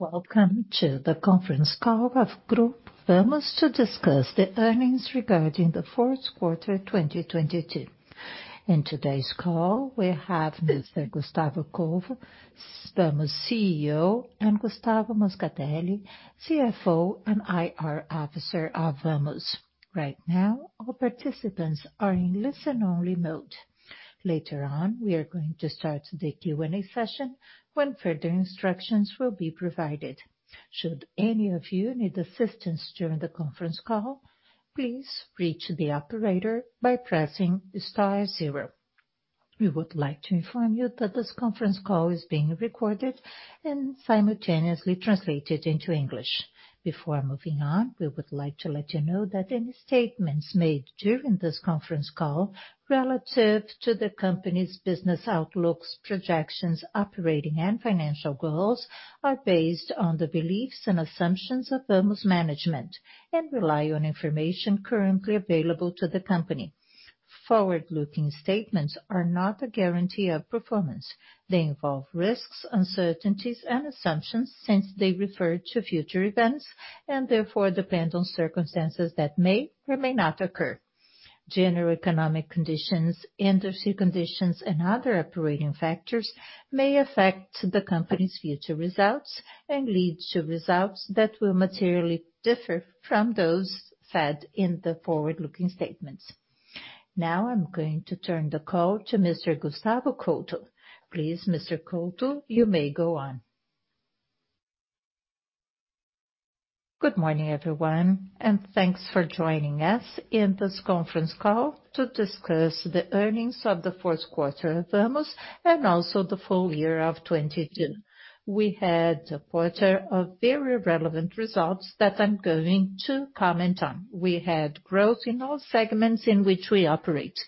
Welcome to the conference call of Grupo Vamos to discuss the earnings regarding the fourth quarter 2022. In today's call, we have Mr. Gustavo Couto, Vamos CEO, and Gustavo Moscatelli, CFO and IR Officer of Vamos. Right now, all participants are in listen-only mode. Later on, we are going to start the Q&A session when further instructions will be provided. Should any of you need assistance during the conference call, please reach the operator by pressing star zero. We would like to inform you that this conference call is being recorded and simultaneously translated into English. Before moving on, we would like to let you know that any statements made during this conference call relative to the company's business outlooks, projections, operating and financial goals are based on the beliefs and assumptions of Vamos management and rely on information currently available to the company. Forward-looking statements are not a guarantee of performance. They involve risks, uncertainties and assumptions since they refer to future events and therefore depend on circumstances that may or may not occur. General economic conditions, industry conditions and other operating factors may affect the company's future results and lead to results that will materially differ from those said in the forward-looking statements. I'm going to turn the call to Mr. Gustavo Couto. Please, Mr. Couto, you may go on. Good morning, everyone, thanks for joining us in this conference call to discuss the earnings of the fourth quarter of Vamos and also the full year of 2022. We had a quarter of very relevant results that I'm going to comment on. We had growth in all segments in which we operate,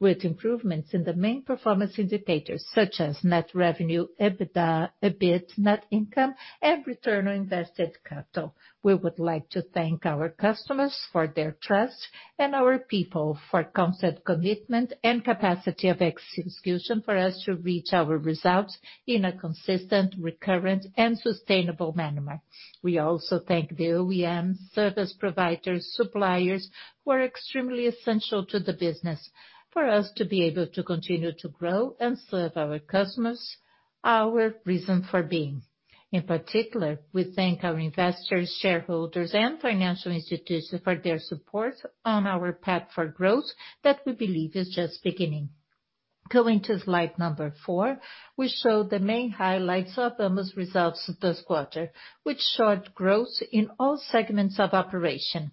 with improvements in the main performance indicators such as net revenue, EBITDA, EBIT, net income and return of invested capital. We would like to thank our customers for their trust and our people for constant commitment and capacity of execution for us to reach our results in a consistent, recurrent and sustainable manner. We also thank the OEM service providers, suppliers who are extremely essential to the business for us to be able to continue to grow and serve our customers, our reason for being. In particular, we thank our investors, shareholders and financial institutions for their support on our path for growth that we believe is just beginning. Going to slide number four, we show the main highlights of Vamos results this quarter, which showed growth in all segments of operation.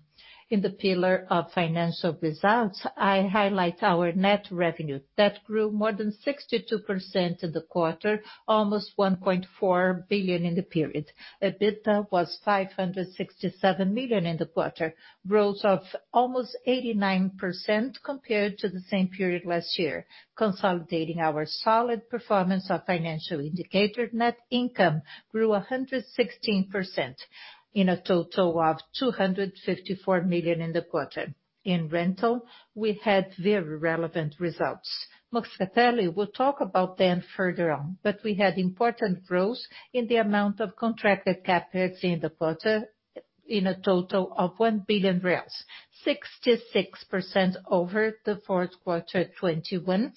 In the pillar of financial results, I highlight our net revenue that grew more than 62% in the quarter, almost 1.4 billion in the period. EBITDA was 567 million in the quarter, growth of almost 89% compared to the same period last year. Consolidating our solid performance of financial indicator, net income grew 116% in a total of 254 million in the quarter. In rental, we had very relevant results. Moscatelli will talk about them further on, but we had important growth in the amount of contracted CapEx in the quarter in a total of 1 billion reais, 66% over the fourth quarter 2021,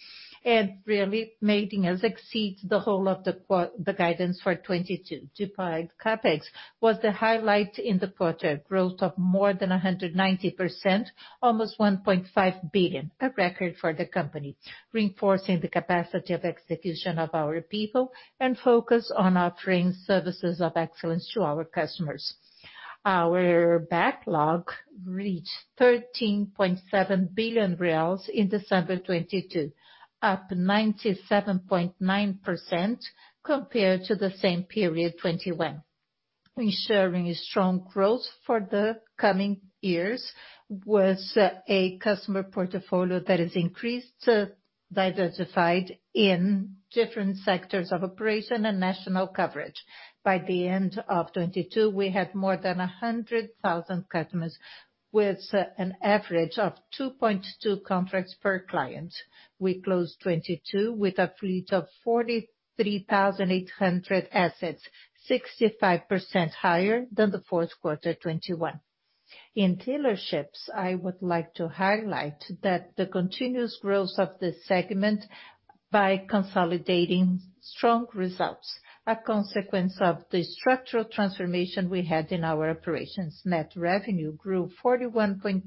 and really making us exceed the whole of the guidance for 2022. Deprived CapEx was the highlight in the quarter, growth of more than 190%, almost 1.5 billion, a record for the company, reinforcing the capacity of execution of our people and focus on offering services of excellence to our customers. Our backlog reached 13.7 billion reais in December 2022, up 97.9% compared to the same period 2021. Ensuring a strong growth for the coming years was a customer portfolio that is increased, diversified in different sectors of operation and national coverage. By the end of 2022, we had more than 100,000 customers with an average of 2.2 contracts per client. We closed 2022 with a fleet of 43,800 assets, 65% higher than the fourth quarter 2021. In dealerships, I would like to highlight that the continuous growth of this segment by consolidating strong results are consequence of the structural transformation we had in our operations. Net revenue grew 41.2%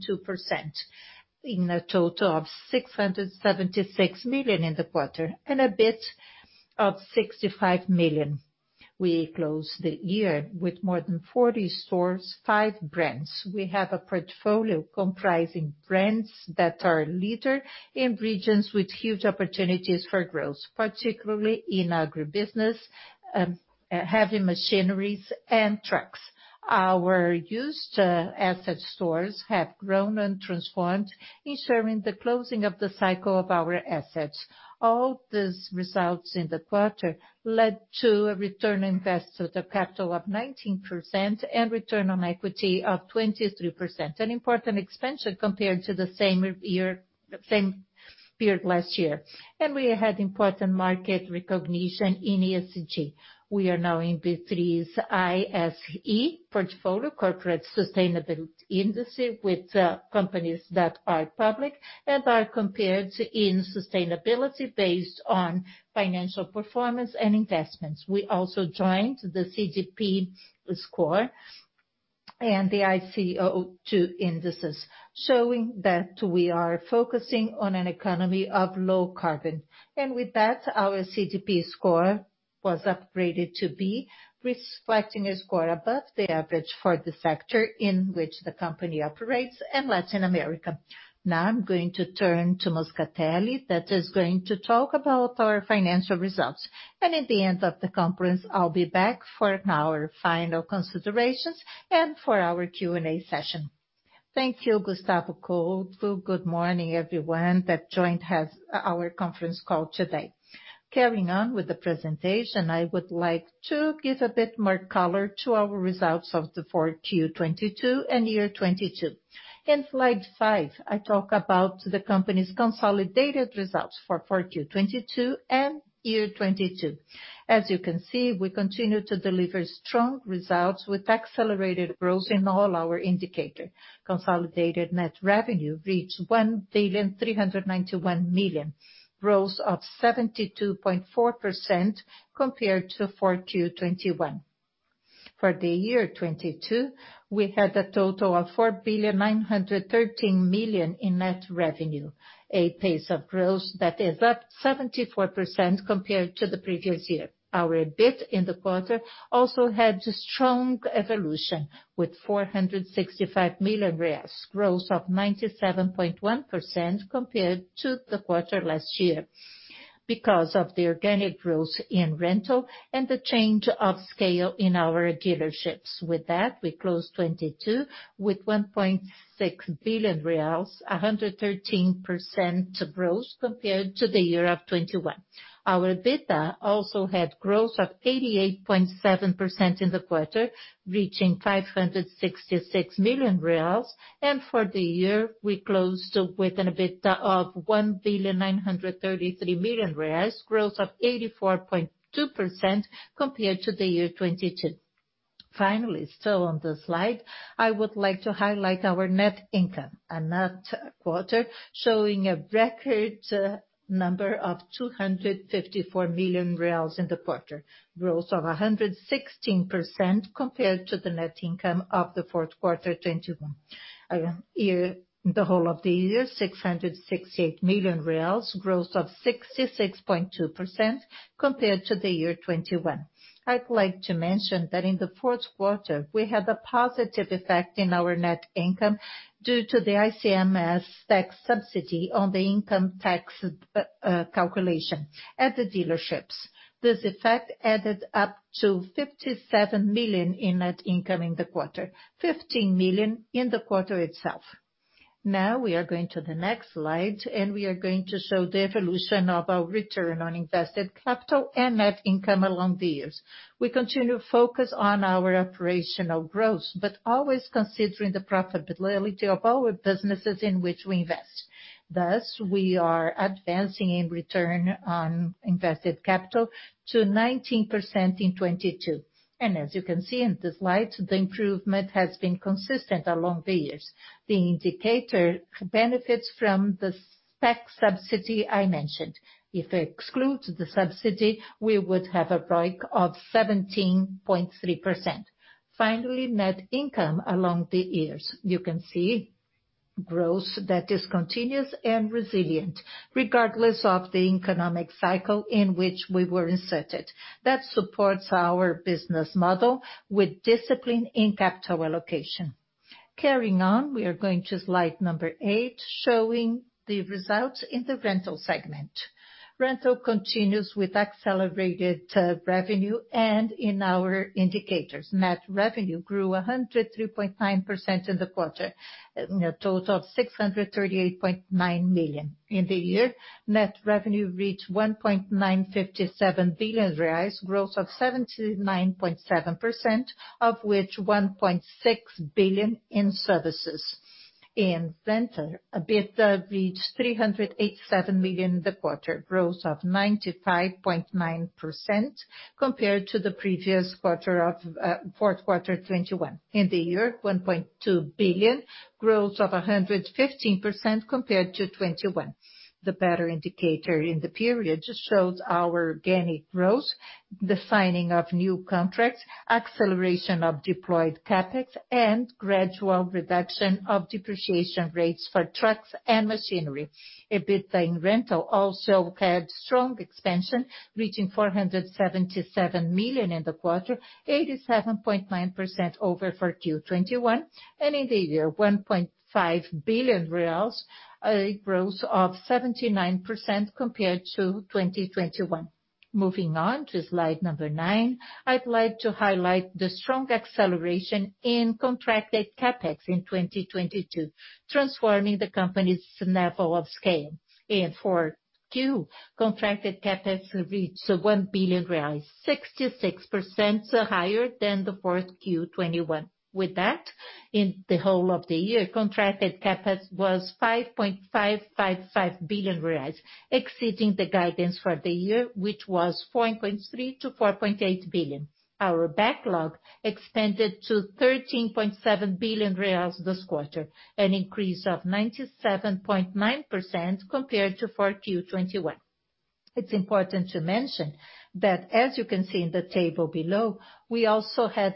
in a total of 676 million in the quarter and a bit of 65 million. We closed the year with more than 40 stores, five brands. We have a portfolio comprising brands that are leader in regions with huge opportunities for growth, particularly in agribusiness, heavy machineries and trucks. Our used asset stores have grown and transformed, ensuring the closing of the cycle of our assets. All these results in the quarter led to a return on invested capital of 19% and return on equity of 23%, an important expansion compared to the same period last year. We had important market recognition in ESG. We are now in B3's ISE portfolio, corporate sustainability industry with companies that are public and are compared in sustainability based on financial performance and investments. We also joined the CDP score and the ICO2 indices, showing that we are focusing on an economy of low carbon. With that, our CDP score was upgraded to B, reflecting a score above the average for the sector in which the company operates in Latin America. Now I'm going to turn to Moscatelli, that is going to talk about our financial results. At the end of the conference, I'll be back for our final considerations and for our Q&A session. Thank you, Gustavo Couto. Good morning, everyone that joined our conference call today. Carrying on with the presentation, I would like to give a bit more color to our results of the 4Q 2022 and year 2022. In Slide five, I talk about the company's consolidated results for 4Q 2022 and year 2022. As you can see, we continue to deliver strong results with accelerated growth in all our indicator. Consolidated net revenue reached 1.391 billion, growth of 72.4% compared to 4Q 2021. For the year 2022, we had a total of 4.913 billion in net revenue, a pace of growth that is up 74% compared to the previous year. Our EBIT in the quarter also had strong evolution with 465 million reais, growth of 97.1% compared to the quarter last year. Because of the organic growth in rental and the change of scale in our dealerships. We closed 2022 with 1.6 billion reais, 113% growth compared to the year of 2021. Our EBITDA also had growth of 88.7% in the quarter, reaching 566 million reais. For the year, we closed with an EBITDA of 1.933 billion reais, growth of 84.2% compared to the year 2022. Finally, still on the slide, I would like to highlight our net income. A net quarter showing a record number of 254 million reais in the quarter, growth of 116% compared to the net income of the fourth quarter 2021. The whole of the year, BRL 668 million, growth of 66.2% compared to the year 2021. I'd like to mention that in the fourth quarter, we had a positive effect in our net income due to the ICMS tax subsidy on the income tax calculation at the dealerships. This effect added up to 57 million in net income in the quarter, 15 million in the quarter itself. We are going to the next slide, and we are going to show the evolution of our return on invested capital and net income along the years. We continue to focus on our operational growth, but always considering the profitability of our businesses in which we invest. We are advancing in return on invested capital to 19% in 2022. As you can see in the slide, the improvement has been consistent along the years. The indicator benefits from the spec subsidy I mentioned. If I exclude the subsidy, we would have a ROIC of 17.3%. Finally, net income along the years. You can see growth that is continuous and resilient, regardless of the economic cycle in which we were inserted. That supports our business model with discipline in capital allocation. Carrying on, we are going to slide number eight, showing the results in the rental segment. Rental continues with accelerated revenue and in our indicators. Net revenue grew 103.9% in the quarter, a total of 638.9 million. In the year, net revenue reached 1.957 billion reais, growth of 79.7%, of which 1.6 billion in services. In center, EBITDA reached 387 million in the quarter, growth of 95.9% compared to the previous quarter of 4Q 2021. In the year, 1.2 billion, growth of 115% compared to 2021. The better indicator in the period shows our organic growth, the signing of new contracts, acceleration of deployed CapEx, and gradual reduction of depreciation rates for trucks and machinery. EBITDA in rental also had strong expansion, reaching 477 million in the quarter, 87.9% over 4Q 2021. In the year, 1.5 billion reais, a growth of 79% compared to 2021. Moving on to slide number nine. I'd like to highlight the strong acceleration in contracted CapEx in 2022, transforming the company's level of scale. In four Q, contracted CapEx reached 1 billion reais, 66% higher than the fourth Q 2021. With that, in the whole of the year, contracted CapEx was 5.555 billion reais, exceeding the guidance for the year, which was 4.3 billion-4.8 billion. Our backlog extended to 13.7 billion reais this quarter, an increase of 97.9% compared to four Q 2021. It's important to mention that as you can see in the table below, we also had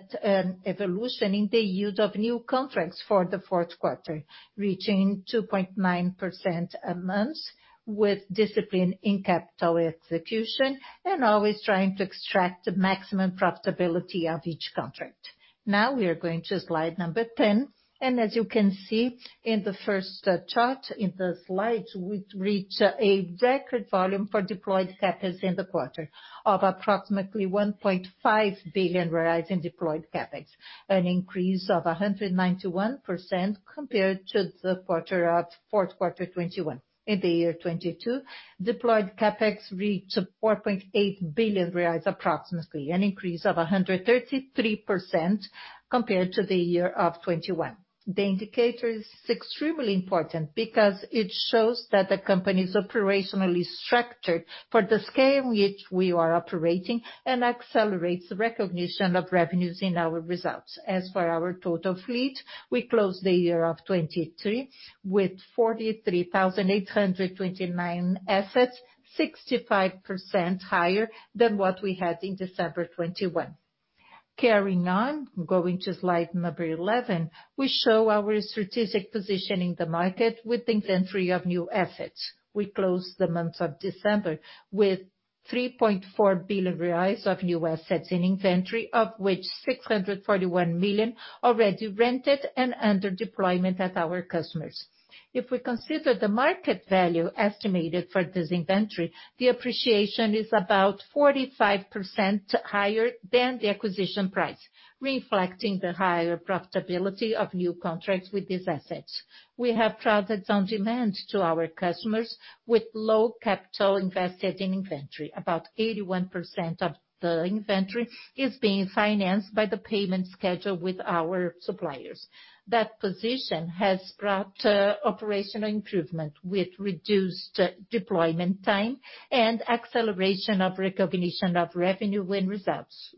evolution in the use of new contracts for the fourth quarter, reaching 2.9% a month with discipline in capital execution and always trying to extract the maximum profitability of each contract. Now we are going to slide number 10, as you can see in the first chart in the slide, we reach a record volume for deployed CapEx in the quarter of approximately 1.5 billion in deployed CapEx, an increase of 191% compared to the fourth quarter 2021. In the year 2022, deployed CapEx reached 4.8 billion reais approximately, an increase of 133% compared to the year 2021. The indicator is extremely important because it shows that the company is operationally structured for the scale which we are operating and accelerates the recognition of revenues in our results. As for our total fleet, we closed the year 2023 with 43,829 assets, 65% higher than what we had in December 2021. Carrying on, going to slide number 11, we show our strategic position in the market with the inventory of new assets. We closed the month of December with 3.4 billion reais of new assets in inventory, of which 641 million already rented and under deployment at our customers. If we consider the market value estimated for this inventory, the appreciation is about 45% higher than the acquisition price, reflecting the higher profitability of new contracts with these assets. We have products on demand to our customers with low capital invested in inventory. About 81% of the inventory is being financed by the payment schedule with our suppliers. That position has brought operational improvement with reduced deployment time and acceleration of recognition of revenue and results.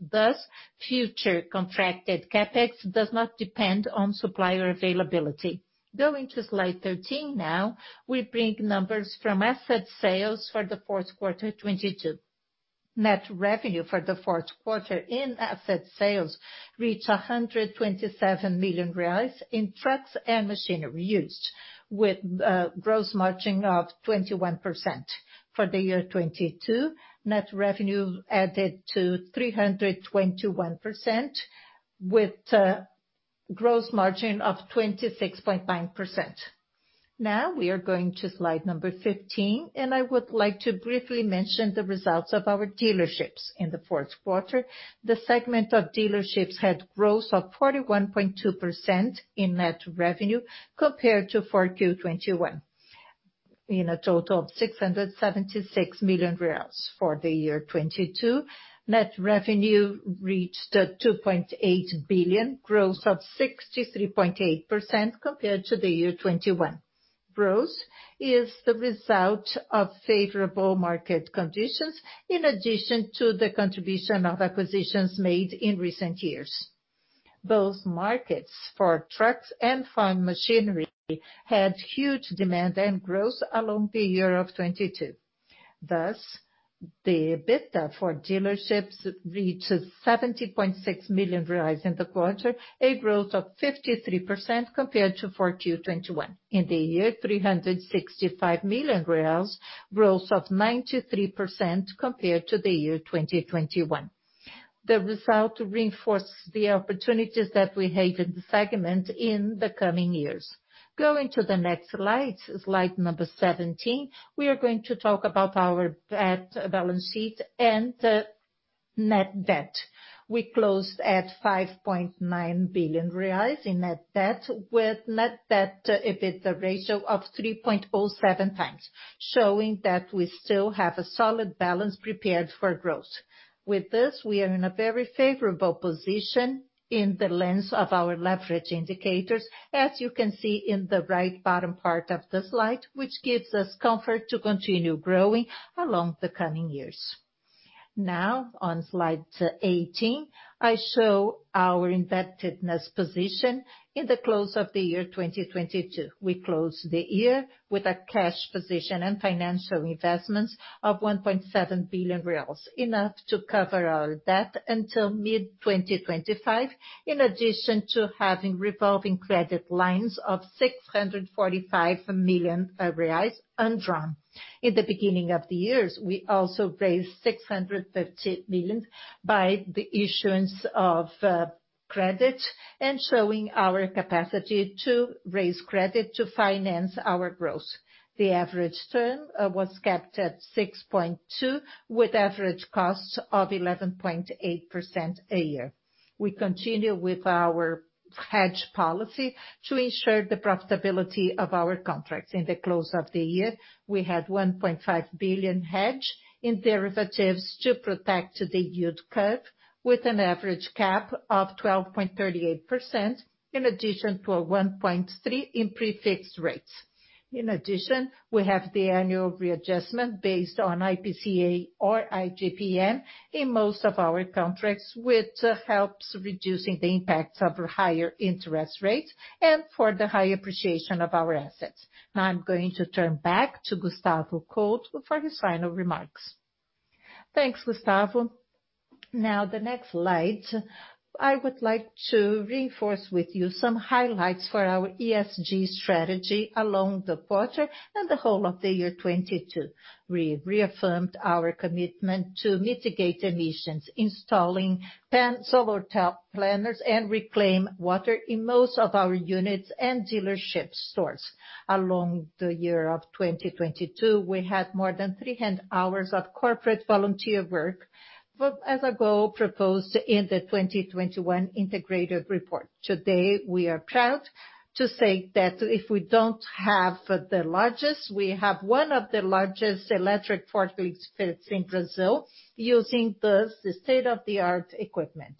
Future contracted CapEx does not depend on supplier availability. Going to slide 13 now, we bring numbers from asset sales for the fourth quarter 2022. Net revenue for the fourth quarter in asset sales reached 127 million reais in trucks and machinery used, with gross margin of 21%. For the year 2022, net revenue added to 321% with gross margin of 26.9%. We are going to slide number 15. I would like to briefly mention the results of our dealerships. In the fourth quarter, the segment of dealerships had growth of 41.2% in net revenue compared to 4Q 2021 in a total of BRL 676 million. For the year 2022, net revenue reached 2.8 billion growth of 63.8% compared to the year 2021. Growth is the result of favorable market conditions in addition to the contribution of acquisitions made in recent years. Both markets for trucks and farm machinery had huge demand and growth along the year of 2022. The EBITDA for dealerships reached 70.6 million reais in the quarter, a growth of 53% compared to 4Q 2021. In the year, 365 million reais, growth of 93% compared to the year 2021. The result reinforces the opportunities that we have in the segment in the coming years. Going to the next slide number 17, we are going to talk about our balance sheet and net debt. We closed at 5.9 billion reais in net debt with net debt, EBITDA ratio of 3.07 times, showing that we still have a solid balance prepared for growth. With this, we are in a very favorable position in the lens of our leverage indicators, as you can see in the right bottom part of the slide, which gives us comfort to continue growing along the coming years. On slide 18, I show our indebtedness position in the close of the year 2022. We closed the year with a cash position and financial investments of BRL 1.7 billion, enough to cover our debt until mid-2025, in addition to having revolving credit lines of 645 million reais undrawn. In the beginning of the years, we also raised 650 million by the issuance of credit and showing our capacity to raise credit to finance our growth. The average term was kept at 6.2, with average costs of 11.8% a year. We continue with our hedge policy to ensure the profitability of our contracts. In the close of the year, we had 1.5 billion hedge in derivatives to protect the yield curve with an average cap of 12.38% in addition to a 1.3% in prefixed rates. In addition, we have the annual readjustment based on IPCA or IGPM in most of our contracts, which helps reducing the impacts of higher interest rates and for the high appreciation of our assets. I'm going to turn back to Gustavo Couto for his final remarks. Thanks, Gustavo. The next slide, I would like to reinforce with you some highlights for our ESG strategy along the quarter and the whole of the year 2022. We've reaffirmed our commitment to mitigate emissions, installing 10 solar planters and reclaim water in most of our units and dealership stores. Along the year of 2022, we had more than 300 hours of corporate volunteer work, but as a goal proposed in the 2021 integrated report. Today, we are proud to say that if we don't have the largest, we have one of the largest electric forklifts fleets in Brazil using this state-of-the-art equipment.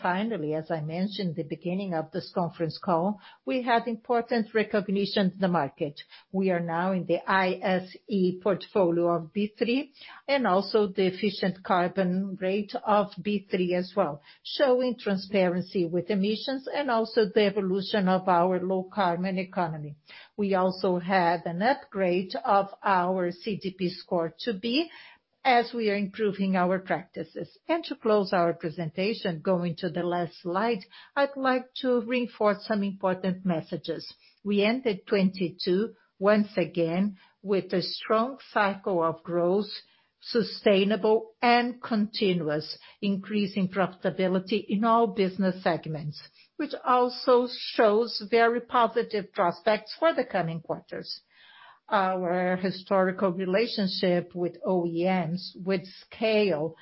Finally, as I mentioned at the beginning of this conference call, we have important recognition to the market. We are now in the ISE portfolio of B3 and also the efficient carbon rate of B3 as well, showing transparency with emissions and also the evolution of our low carbon economy. We also have an upgrade of our CDP score to B as we are improving our practices. To close our presentation, going to the last slide, I'd like to reinforce some important messages. We ended 2022, once again, with a strong cycle of growth, sustainable and continuous increase in profitability in all business segments, which also shows very positive prospects for the coming quarters. Our historical relationship with OEMs, with scale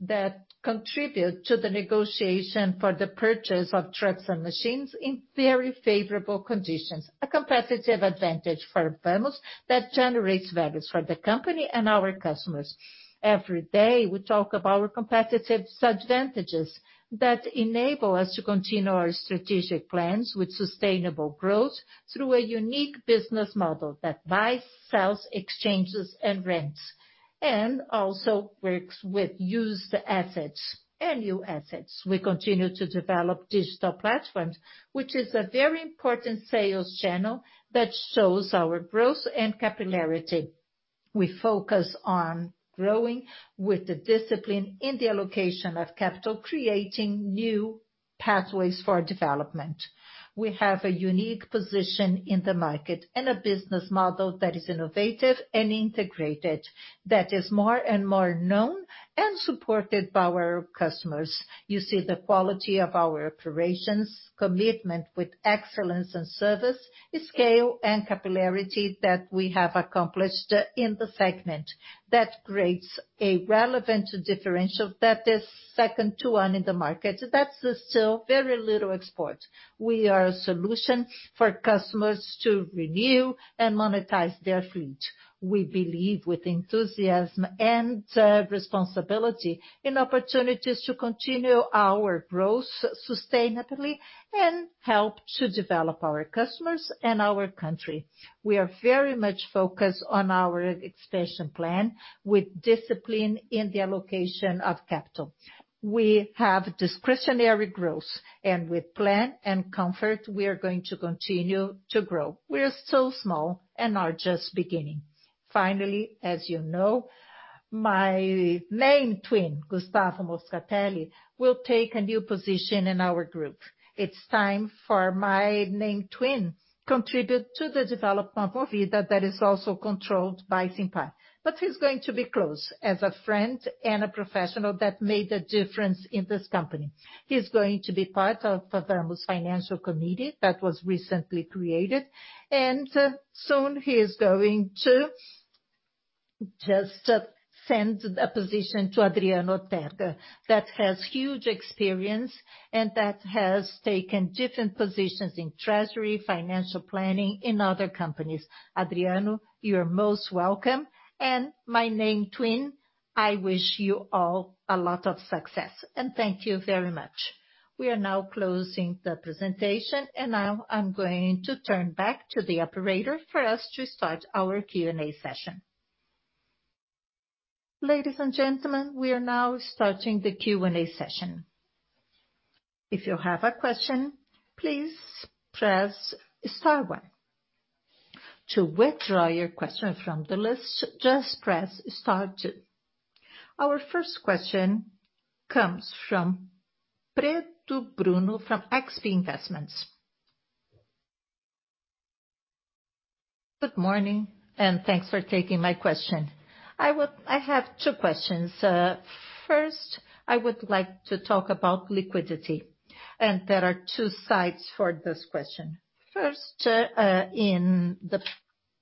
that contribute to the negotiation for the purchase of trucks and machines in very favorable conditions, a competitive advantage for Vamos that generates values for the company and our customers. Every day, we talk about our competitive advantages that enable us to continue our strategic plans with sustainable growth through a unique business model that buys, sells, exchanges, and rents, and also works with used assets and new assets. We continue to develop digital platforms, which is a very important sales channel that shows our growth and capillarity. We focus on growing with the discipline in the allocation of capital, creating new pathways for development. We have a unique position in the market and a business model that is innovative and integrated, that is more and more known and supported by our customers. You see the quality of our operations, commitment with excellence and service, scale and capillarity that we have accomplished in the segment that creates a relevant differential that is second to none in the market. That's still very little export. We are a solution for customers to renew and monetize their fleet. We believe with enthusiasm and responsibility in opportunities to continue our growth sustainably and help to develop our customers and our country. We are very much focused on our expansion plan with discipline in the allocation of capital. We have discretionary growth. With plan and comfort, we are going to continue to grow. We are still small and are just beginning. Finally, as you know, my name twin, Gustavo Moscatelli, will take a new position in our group. It's time for my name twin contribute to the development of Movida that is also controlled by SIMPAR. He's going to be close as a friend and a professional that made a difference in this company. He's going to be part of Vamos' financial committee that was recently created. Soon he is going to just send a position to Adriano Ortega, that has huge experience and that has taken different positions in treasury, financial planning in other companies. Adriano, you're most welcome. My name twin, I wish you all a lot of success. Thank you very much. We are now closing the presentation, and now I'm going to turn back to the operator for us to start our Q&A session. Ladies and gentlemen, we are now starting the Q&A session. If you have a question, please press star one. To withdraw your question from the list, just press star two. Our first question comes from Pedro Bruno from XP Investments. Good morning, thanks for taking my question. I have two questions. First, I would like to talk about liquidity, there are two sides for this question. First, in the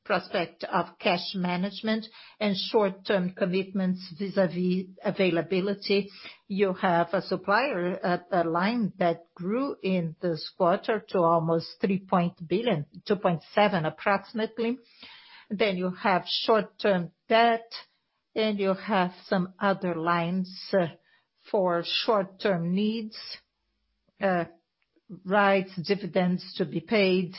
prospect of cash management and short-term commitments vis-à-vis availability, you have a supplier, a line that grew in this quarter to almost 3 billion, 2.7 approximately. You have short-term debt, you have some other lines for short-term needs, rights, dividends to be paid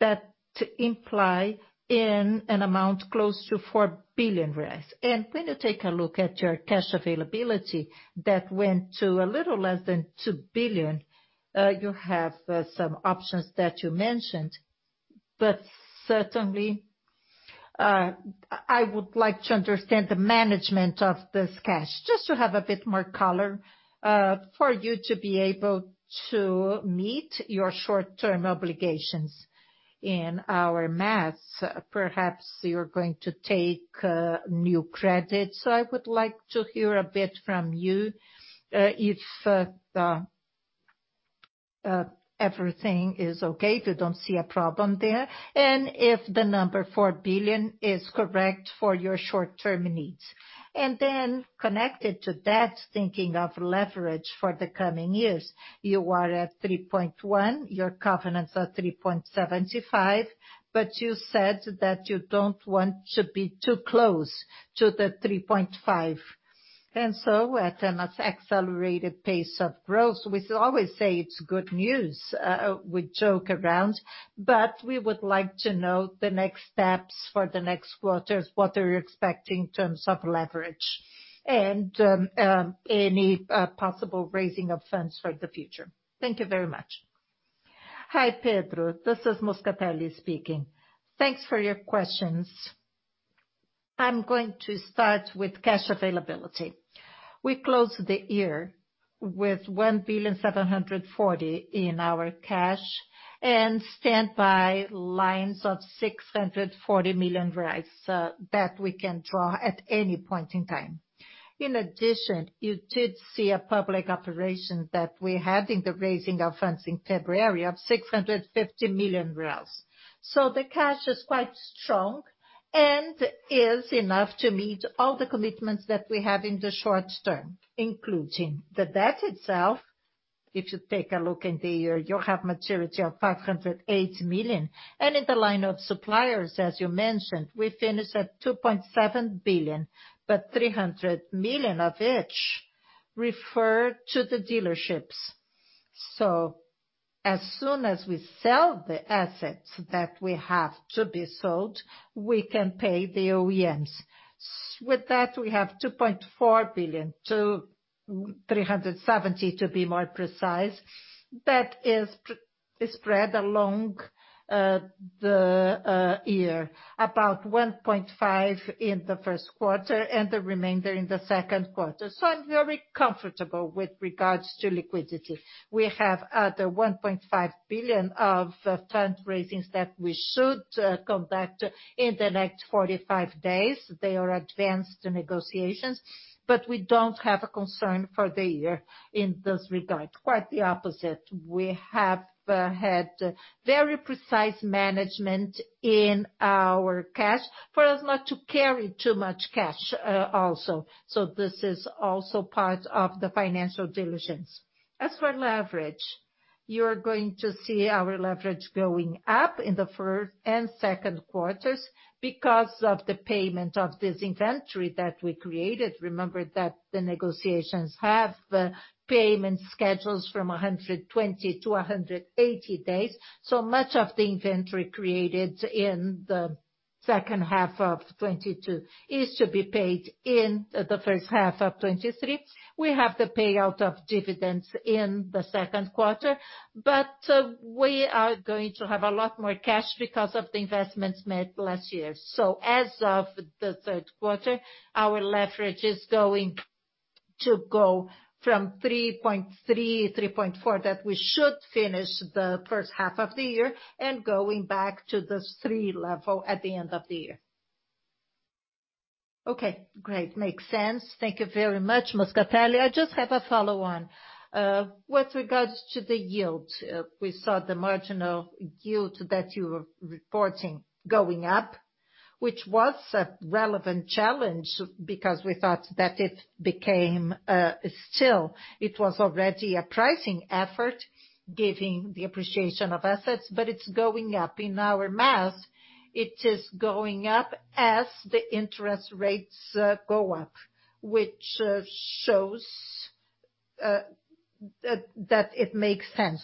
that imply in an amount close to 4 billion reais. When you take a look at your cash availability that went to a little less than 2 billion, you have some options that you mentioned. Certainly, I would like to understand the management of this cash, just to have a bit more color, for you to be able to meet your short-term obligations in our math. Perhaps you're going to take new credits. I would like to hear a bit from you, if everything is okay, you don't see a problem there. If the number 4 billion is correct for your short-term needs. Connected to that, thinking of leverage for the coming years, you are at 3.1, your covenants are 3.75, but you said that you don't want to be too close to the 3.5. At an accelerated pace of growth, we always say it's good news, we joke around, but we would like to know the next steps for the next quarters, what are you expecting in terms of leverage and any possible raising of funds for the future. Thank you very much. Hi, Pedro. This is Moscatelli speaking. Thanks for your questions. I'm going to start with cash availability. We closed the year with 1.74 billion in our cash and stand by lines of 640 million that we can draw at any point in time. In addition, you did see a public operation that we had in the raising of funds in February of 650 million reais. The cash is quite strong and is enough to meet all the commitments that we have in the short term, including the debt itself. If you take a look in the year, you have maturity of 508 million. In the line of suppliers, as you mentioned, we finished at 2.7 billion, but 300 million of it refer to the dealerships. As soon as we sell the assets that we have to be sold, we can pay the OEMs. With that, we have 2.4 billion to 370 to be more precise. That is spread along the year, about 1.5 billion in the first quarter and the remainder in the second quarter. I'm very comfortable with regards to liquidity. We have other 1.5 billion of fundraisings that we should conduct in the next 45 days. They are advanced negotiations, but we don't have a concern for the year in this regard. Quite the opposite. We have had very precise management in our cash for us not to carry too much cash also. This is also part of the financial diligence. As for leverage, you're going to see our leverage going up in the first and second quarters because of the payment of this inventory that we created. Remember that the negotiations have payment schedules from 120-180 days. Much of the inventory created in the second half of 2022 is to be paid in the first half of 2023. We have the payout of dividends in the second quarter, we are going to have a lot more cash because of the investments made last year. As of the third quarter, our leverage is going to go from 3.3.4 that we should finish the first half of the year and going back to the three level at the end of the year. Okay, great. Makes sense. Thank you very much, Moscatelli. I just have a follow on. With regards to the yield, we saw the marginal yield that you were reporting going up, which was a relevant challenge because we thought that it became, still it was already a pricing effort giving the appreciation of assets, but it's going up. In our math, it is going up as the interest rates go up, which shows that it makes sense.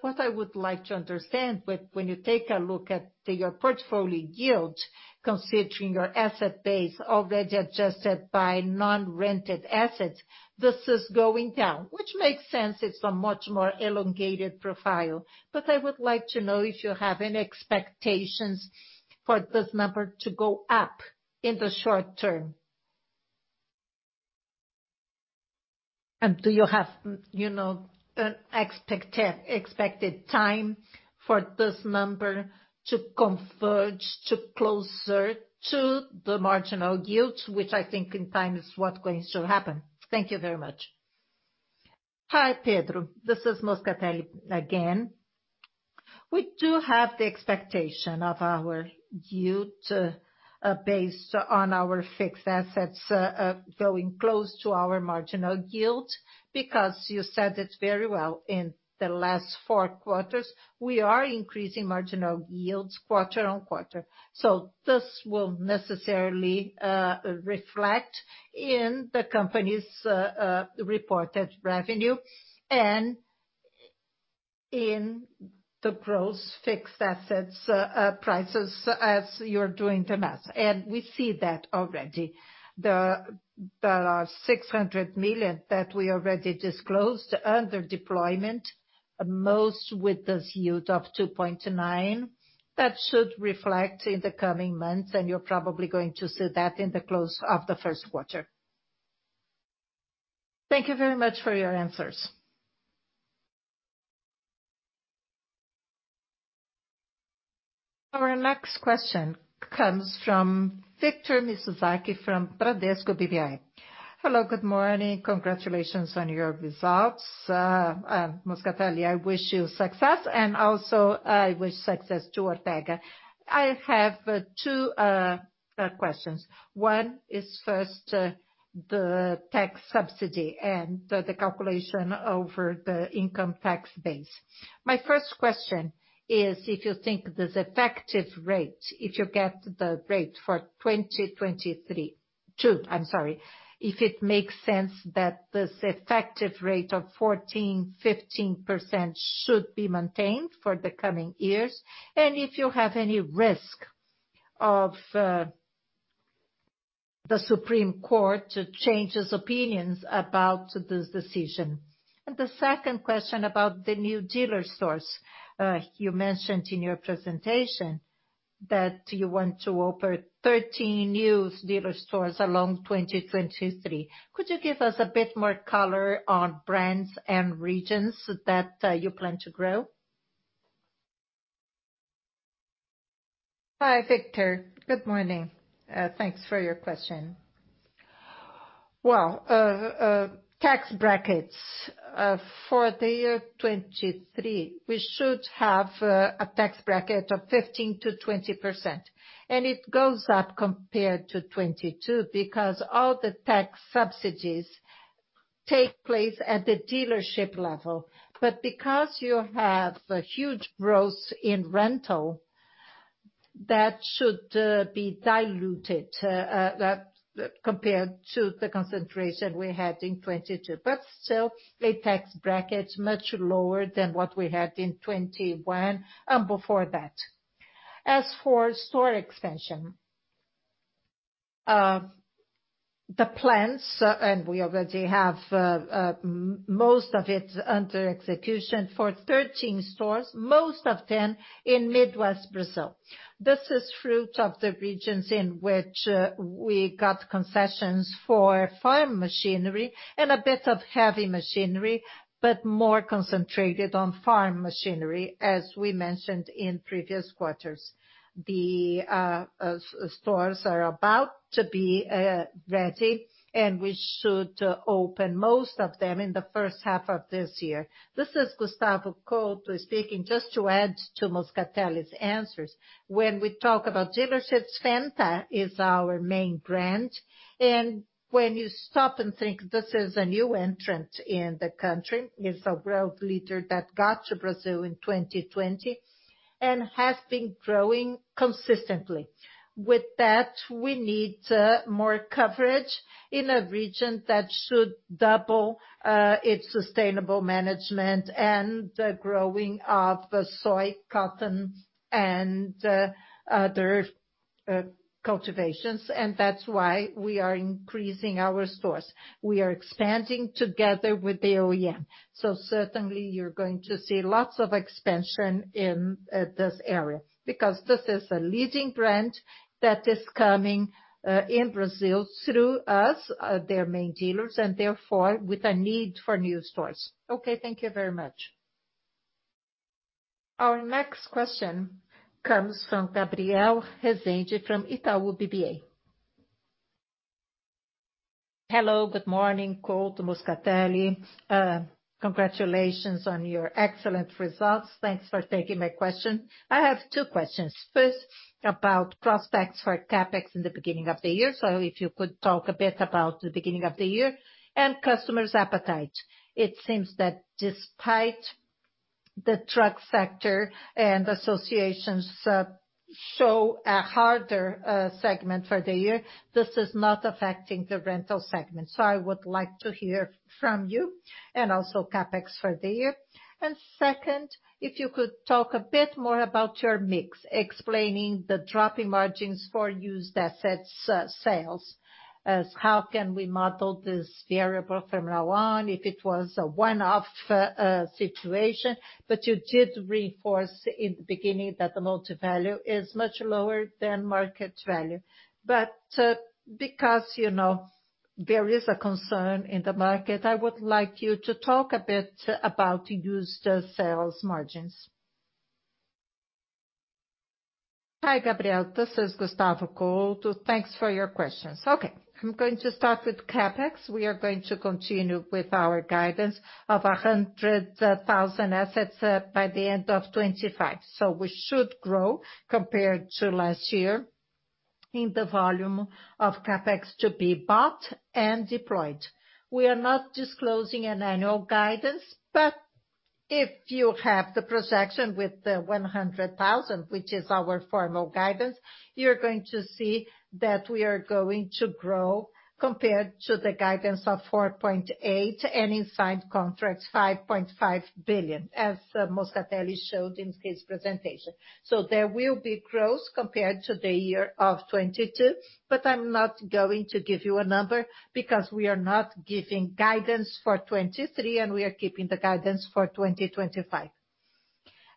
What I would like to understand with when you take a look at your portfolio yield, considering your asset base already adjusted by non-rented assets, this is going down, which makes sense. It's a much more elongated profile. I would like to know if you have any expectations for this number to go up in the short term. Do you have, you know, an expected time for this number to converge to closer to the marginal yields, which I think in time is what going to happen. Thank you very much. Hi, Pedro. This is Moscatelli again. We do have the expectation of our yield, based on our fixed assets, going close to our marginal yield because you said it very well in the last four quarters, we are increasing marginal yields quarter on quarter. This will necessarily reflect in the company's reported revenue and in the gross fixed assets prices as you're doing the math. We see that already. There are 600 million that we already disclosed under deployment, most with this yield of 2.9%. That should reflect in the coming months, and you're probably going to see that in the close of the first quarter. Thank you very much for your answers. Our next question comes from Victor Mizusaki from Bradesco BBI. Hello, good morning. Congratulations on your results. Moscatelli, I wish you success, and also, I wish success to Ortega. I have two questions. One is first, the tax subsidy and the calculation over the income tax base. My first question is if you think this effective rate, if you get the rate for 2023, 2022, I'm sorry. If it makes sense that this effective rate of 14%, 15% should be maintained for the coming years, and if you have any risk of the Supreme Court to change its opinions about this decision. The second question about the new dealer stores. You mentioned in your presentation that you want to open 13 new dealer stores along 2023. Could you give us a bit more color on brands and regions that you plan to grow? Hi, Victor. Good morning. Thanks for your question. Well, tax brackets for the year 2023, we should have a tax bracket of 15%-20%. It goes up compared to 2022 because all the tax subsidies take place at the dealership level. Because you have a huge growth in rental, that should be diluted compared to the concentration we had in 2022. Still, a tax bracket much lower than what we had in 2021 and before that. As for store expansion, the plans, and we already have most of it under execution for 13 stores, most of them in Midwest Brazil. This is fruit of the regions in which we got concessions for farm machinery and a bit of heavy machinery, but more concentrated on farm machinery as we mentioned in previous quarters. The stores are about to be ready, and we should open most of them in the first half of this year. This is Gustavo Couto speaking, just to add to Moscatelli's answers. When we talk about dealerships, Valtra is our main brand. When you stop and think, this is a new entrant in the country. It's a growth leader that got to Brazil in 2020 and has been growing consistently. With that, we need more coverage in a region that should double its sustainable management and the growing of soy, cotton and other cultivations, and that's why we are increasing our stores. We are expanding together with the OEM. Certainly you're going to see lots of expansion in this area because this is a leading brand that is coming in Brazil through us, their main dealers, and therefore with a need for new stores. Thank you very much. Our next question comes from Gabriel Rezende from Itaú BBA. Hello, good morning, Couto, Moscatelli. Congratulations on your excellent results. Thanks for taking my question. I have two questions. First, about prospects for CapEx in the beginning of the year. If you could talk a bit about the beginning of the year and customers' appetite. It seems that despite the truck sector and associations show a harder segment for the year, this is not affecting the rental segment. I would like to hear from you and also CapEx for the year. Second, if you could talk a bit more about your mix, explaining the drop in margins for used assets sales. How can we model this variable from now on if it was a one-off situation? You did reinforce in the beginning that the multi-value is much lower than market value. Because, you know, there is a concern in the market, I would like you to talk a bit about used sales margins. Hi, Gabriel. This is Gustavo Couto. Thanks for your questions. I'm going to start with CapEx. We are going to continue with our guidance of 100,000 assets by the end of 2025. We should grow compared to last year in the volume of CapEx to be bought and deployed. We are not disclosing an annual guidance, but if you have the projection with the 100,000, which is our formal guidance, you're going to see that we are going to grow compared to the guidance of 4.8 billion and in signed contracts, 5.5 billion, as Moscatelli showed in his presentation. There will be growth compared to the year of 2022, but I'm not going to give you a number because we are not giving guidance for 2023, and we are keeping the guidance for 2025.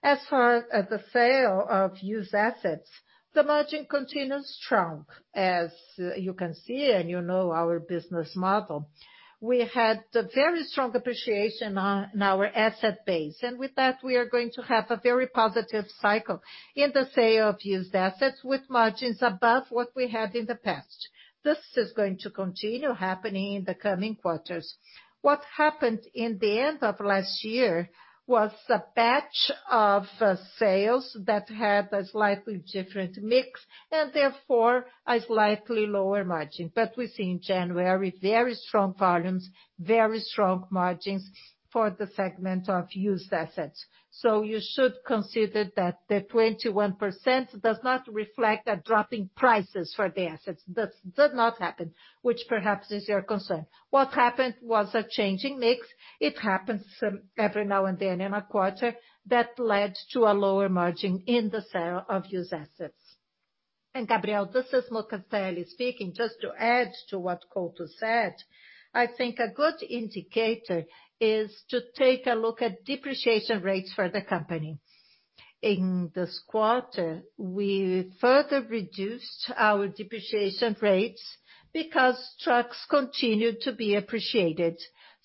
As for the sale of used assets, the margin continues strong. As you can see, and you know our business model, we had a very strong appreciation on our asset base, and with that we are going to have a very positive cycle in the sale of used assets with margins above what we had in the past. This is going to continue happening in the coming quarters. What happened in the end of last year was a batch of sales that had a slightly different mix, and therefore, a slightly lower margin. We see in January very strong volumes, very strong margins for the segment of used assets. You should consider that the 21% does not reflect a drop in prices for the assets. That's did not happen, which perhaps is your concern. What happened was a change in mix. It happens every now and then in a quarter that led to a lower margin in the sale of used assets. Gabriel, this is Moscatelli speaking. Just to add to what Couto said, I think a good indicator is to take a look at depreciation rates for the company. In this quarter, we further reduced our depreciation rates because trucks continued to be appreciated.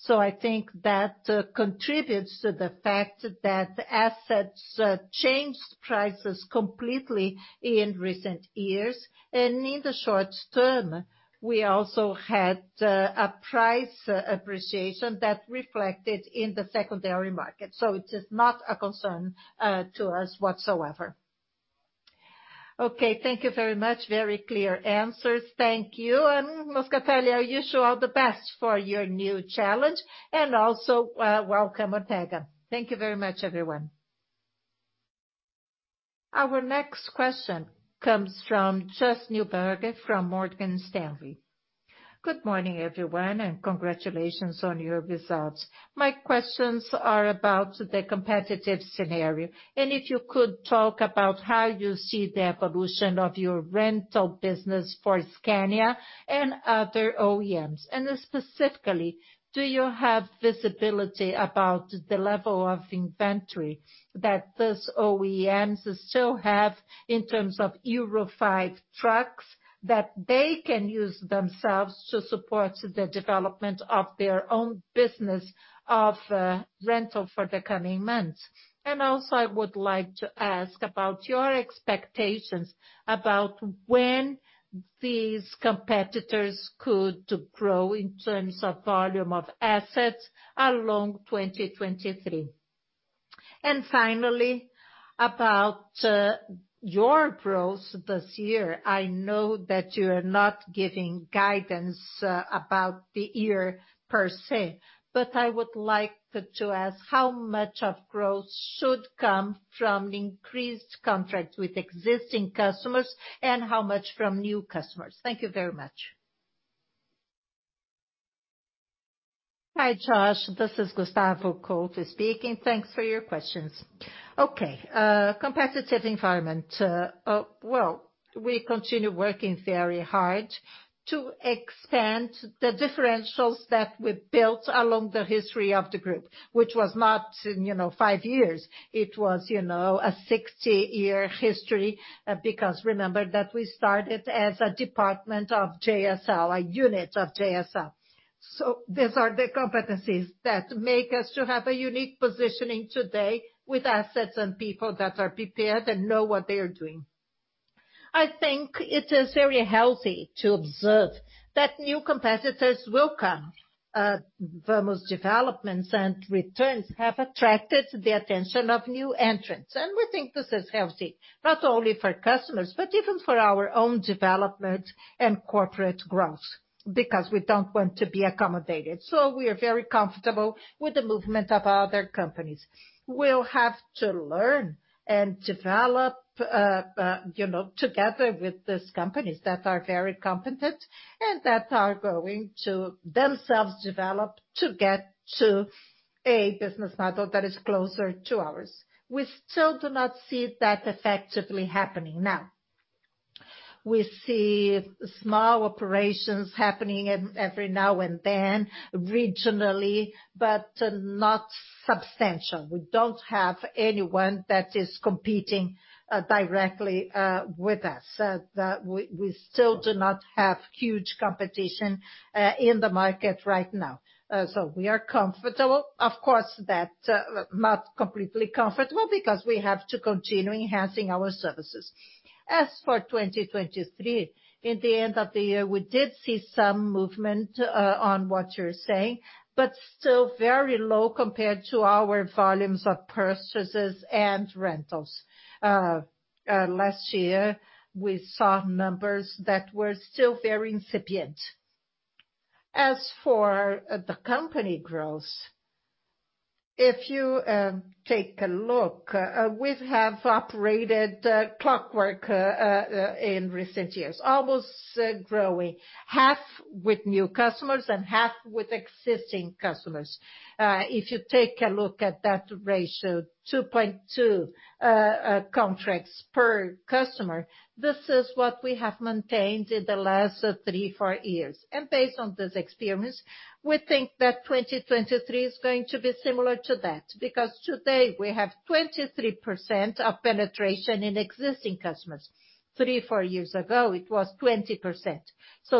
I think that contributes to the fact that assets changed prices completely in recent years. In the short term, we also had a price appreciation that reflected in the secondary market. It is not a concern to us whatsoever. Okay, thank you very much. Very clear answers. Thank you. Moscatelli, I wish you all the best for your new challenge, and also, welcome, Ortega. Thank you very much, everyone. Our next question comes from Josh Neuberger from Morgan Stanley. Good morning, everyone. Congratulations on your results. My questions are about the competitive scenario. If you could talk about how you see the evolution of your rental business for Scania and other OEMs. Specifically, do you have visibility about the level of inventory that these OEMs still have in terms of Euro V trucks that they can use themselves to support the development of their own business of rental for the coming months? Also, I would like to ask about your expectations about when these competitors could grow in terms of volume of assets along 2023. Finally, about your growth this year. I know that you're not giving guidance about the year per se, but I would like to ask how much of growth should come from increased contracts with existing customers and how much from new customers. Thank you very much. Hi, Josh. This is Gustavo Couto speaking. Thanks for your questions. Okay, competitive environment. Well, we continue working very hard to expand the differentials that we built along the history of the Group, which was not in, you know, five years. It was, you know, a 60-year history, because remember that we started as a department of JSL, a unit of JSL. These are the competencies that make us to have a unique positioning today with assets and people that are prepared and know what they are doing. I think it is very healthy to observe that new competitors will come. Vamos developments and returns have attracted the attention of new entrants. We think this is healthy, not only for customers, but even for our own development and corporate growth, because we don't want to be accommodated. We are very comfortable with the movement of other companies. We'll have to learn and develop, you know, together with these companies that are very competent and that are going to themselves develop to get to a business model that is closer to ours. We still do not see that effectively happening now. We see small operations happening every now and then regionally, but not substantial. We don't have anyone that is competing directly with us. We still do not have huge competition in the market right now. We are comfortable. Of course that, not completely comfortable because we have to continue enhancing our services. As for 2023, in the end of the year, we did see some movement on what you're saying, but still very low compared to our volumes of purchases and rentals. Last year we saw numbers that were still very incipient. As for the company growth, if you take a look, we have operated clockwork in recent years, growing half with new customers and half with existing customers. If you take a look at that ratio, 2.2 contracts per customer, this is what we have maintained in the last three, four years. Based on this experience, we think that 2023 is going to be similar to that, because today we have 23% of penetration in existing customers. three, four years ago, it was 20%.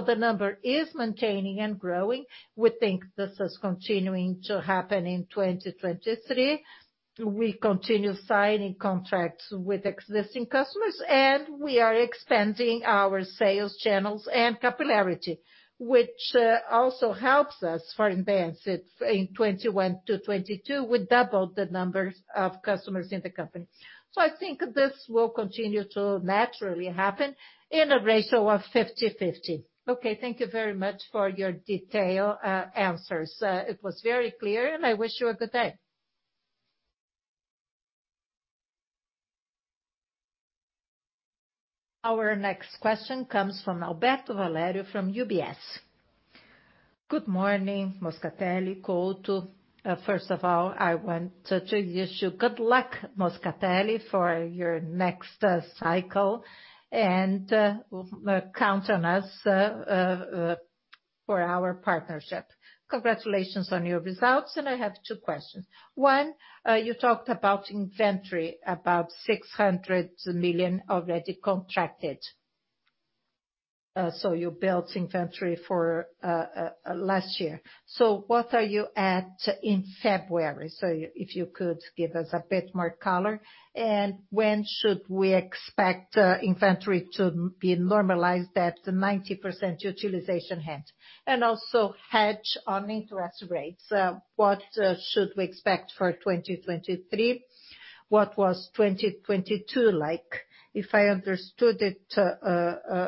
The number is maintaining and growing. We think this is continuing to happen in 2023. We continue signing contracts with existing customers, and we are expanding our sales channels and capillarity, which also helps us for advance it in 2021 to 2022. We doubled the numbers of customers in the company. I think this will continue to naturally happen in a ratio of 50/50. Okay, thank you very much for your detail answers. It was very clear, and I wish you a good day. Our next question comes from Alberto Valerio from UBS. Good morning, Moscatelli Couto. First of all, I want to wish you good luck, Moscatelli, for your next cycle and count on us for our partnership. Congratulations on your results. I have two questions. One, you talked about inventory, about 600 million already contracted. So you built inventory for last year. What are you at in February? If you could give us a bit more color. When should we expect inventory to be normalized at 90% utilization hedge? Also hedge on interest rates. What should we expect for 2023? What was 2022 like? If I understood it,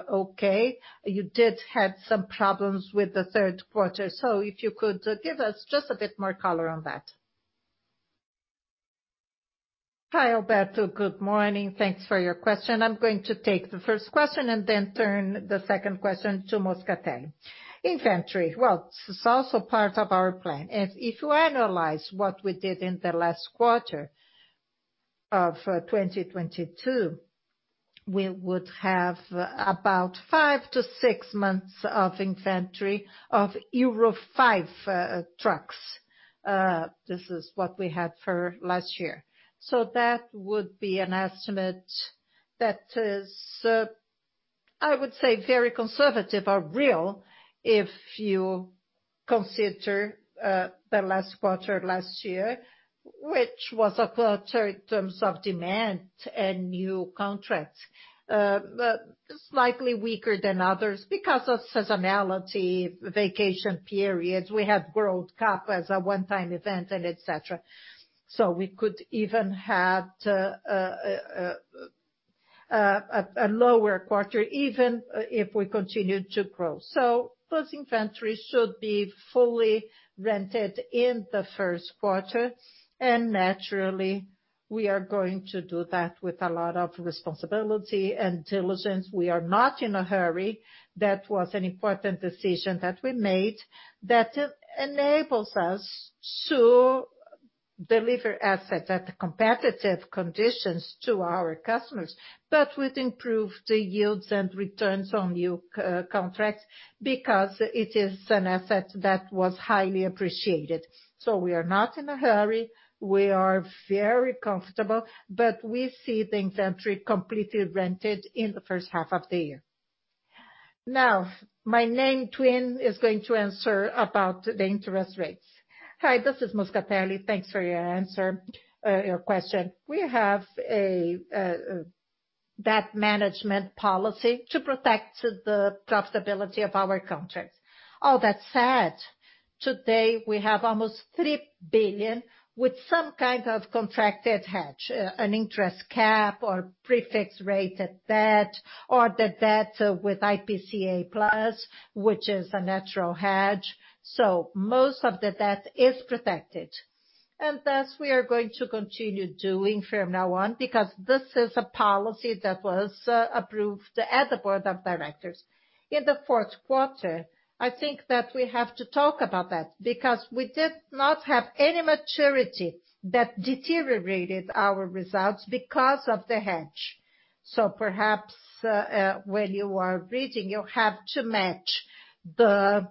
okay, you did have some problems with the third quarter. If you could give us just a bit more color on that. Hi, Alberto. Good morning. Thanks for your question. I'm going to take the first question and turn the second question to Moscatelli. Inventory. Well, it's also part of our plan. If you analyze what we did in the last quarter of 2022, we would have about five-six months of inventory of Euro V trucks. This is what we had for last year. That would be an estimate that is, I would say very conservative or real if you consider the last quarter last year, which was a quarter in terms of demand and new contracts, slightly weaker than others because of seasonality, vacation periods. We had World Cup as a one-time event and et cetera. We could even had a lower quarter even if we continued to grow. Those inventories should be fully rented in the first quarter, and naturally, we are going to do that with a lot of responsibility and diligence. We are not in a hurry. That was an important decision that we made that enables us to deliver assets at competitive conditions to our customers, but we'd improve the yields and returns on new contracts because it is an asset that was highly appreciated. We are not in a hurry. We are very comfortable, but we see the inventory completely rented in the first half of the year. My name twin is going to answer about the interest rates. Hi, this is Moscatelli. Thanks for your answer, your question. We have a debt management policy to protect the profitability of our contracts. All that said, today we have almost 3 billion with some kind of contracted hedge, an interest cap or prefix rate at debt, or the debt with IPCA plus, which is a natural hedge. Most of the debt is protected. Thus we are going to continue doing from now on because this is a policy that was approved at the board of directors. In the fourth quarter, I think that we have to talk about that because we did not have any maturity that deteriorated our results because of the hedge. Perhaps, when you are reading, you have to match the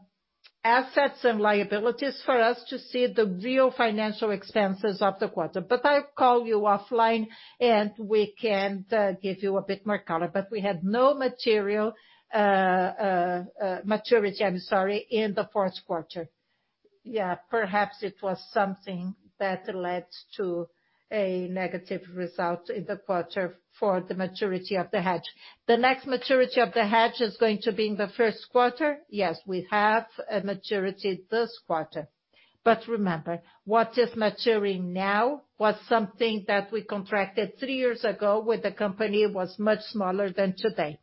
assets and liabilities for us to see the real financial expenses of the quarter. I'll call you offline and we can give you a bit more color. We had no material maturity, I'm sorry, in the fourth quarter. Perhaps it was something that led to a negative result in the quarter for the maturity of the hedge. The next maturity of the hedge is going to be in the first quarter. Yes, we have a maturity this quarter. Remember, what is maturing now was something that we contracted three years ago when the company was much smaller than today.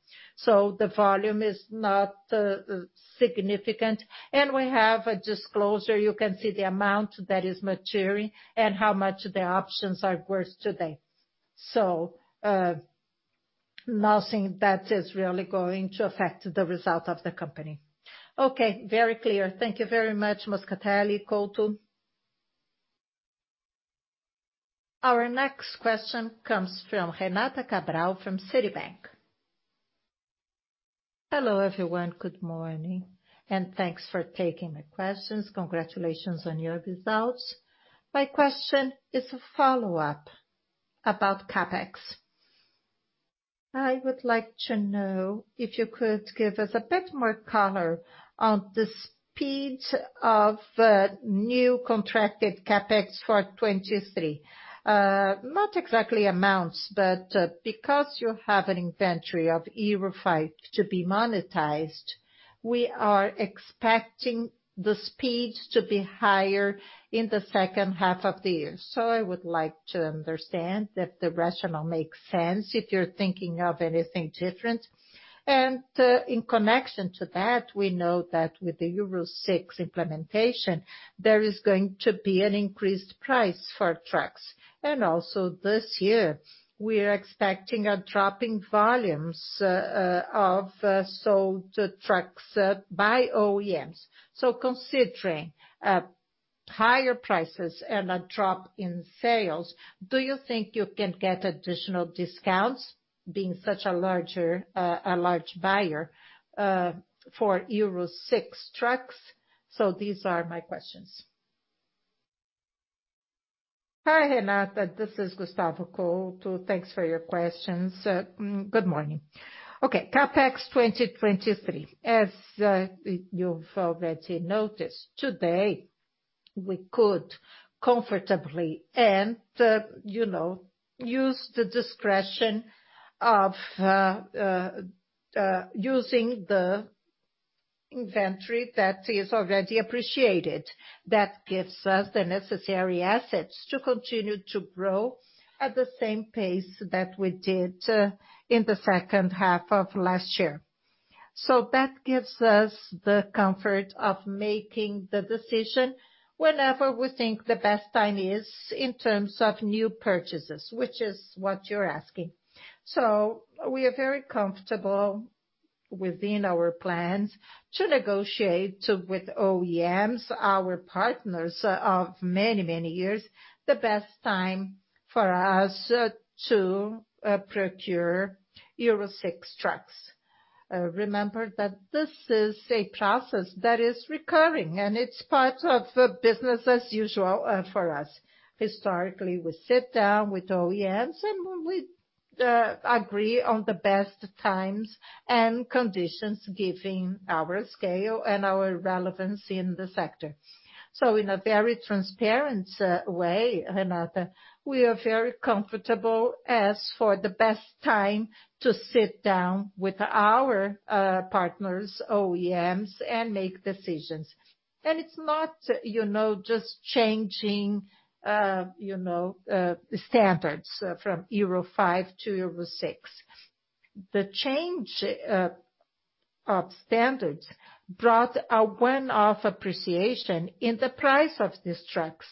The volume is not significant. We have a disclosure. You can see the amount that is maturing and how much the options are worth today. Nothing that is really going to affect the result of the company. Very clear. Thank you very much, Moscatelli. Couto? Our next question comes from Renata Cabral from Citi. Hello, everyone. Good morning, and thanks for taking my questions. Congratulations on your results. My question is a follow-up about CapEx. I would like to know if you could give us a bit more color on the speed of new contracted CapEx for 2023. Not exactly amounts, but because you have an inventory of Euro V to be monetized, we are expecting the speeds to be higher in the second half of the year. I would like to understand if the rationale makes sense, if you're thinking of anything different. In connection to that, we know that with the Euro VI implementation, there is going to be an increased price for trucks. Also this year we are expecting a drop in volumes of sold trucks by OEMs. Considering higher prices and a drop in sales, do you think you can get additional discounts being such a large buyer for Euro VI trucks? These are my questions. Hi, Renata. This is Gustavo Couto. Thanks for your questions. Good morning. Okay, CapEx 2023. As you've already noticed today, we could comfortably and, you know, use the discretion of using the inventory that is already appreciated. That gives us the necessary assets to continue to grow at the same pace that we did in the second half of last year. That gives us the comfort of making the decision whenever we think the best time is in terms of new purchases, which is what you're asking. We are very comfortable within our plans to negotiate with OEMs, our partners of many, many years, the best time for us to procure Euro VI trucks. Remember that this is a process that is recurring, and it's part of business as usual for us. Historically, we sit down with OEMs and we agree on the best times and conditions, giving our scale and our relevance in the sector. In a very transparent way, Renata, we are very comfortable as for the best time to sit down with our partners, OEMs, and make decisions. It's not, you know, just changing, you know, standards from Euro V to Euro VI. The change of standards brought a one-off appreciation in the price of these trucks.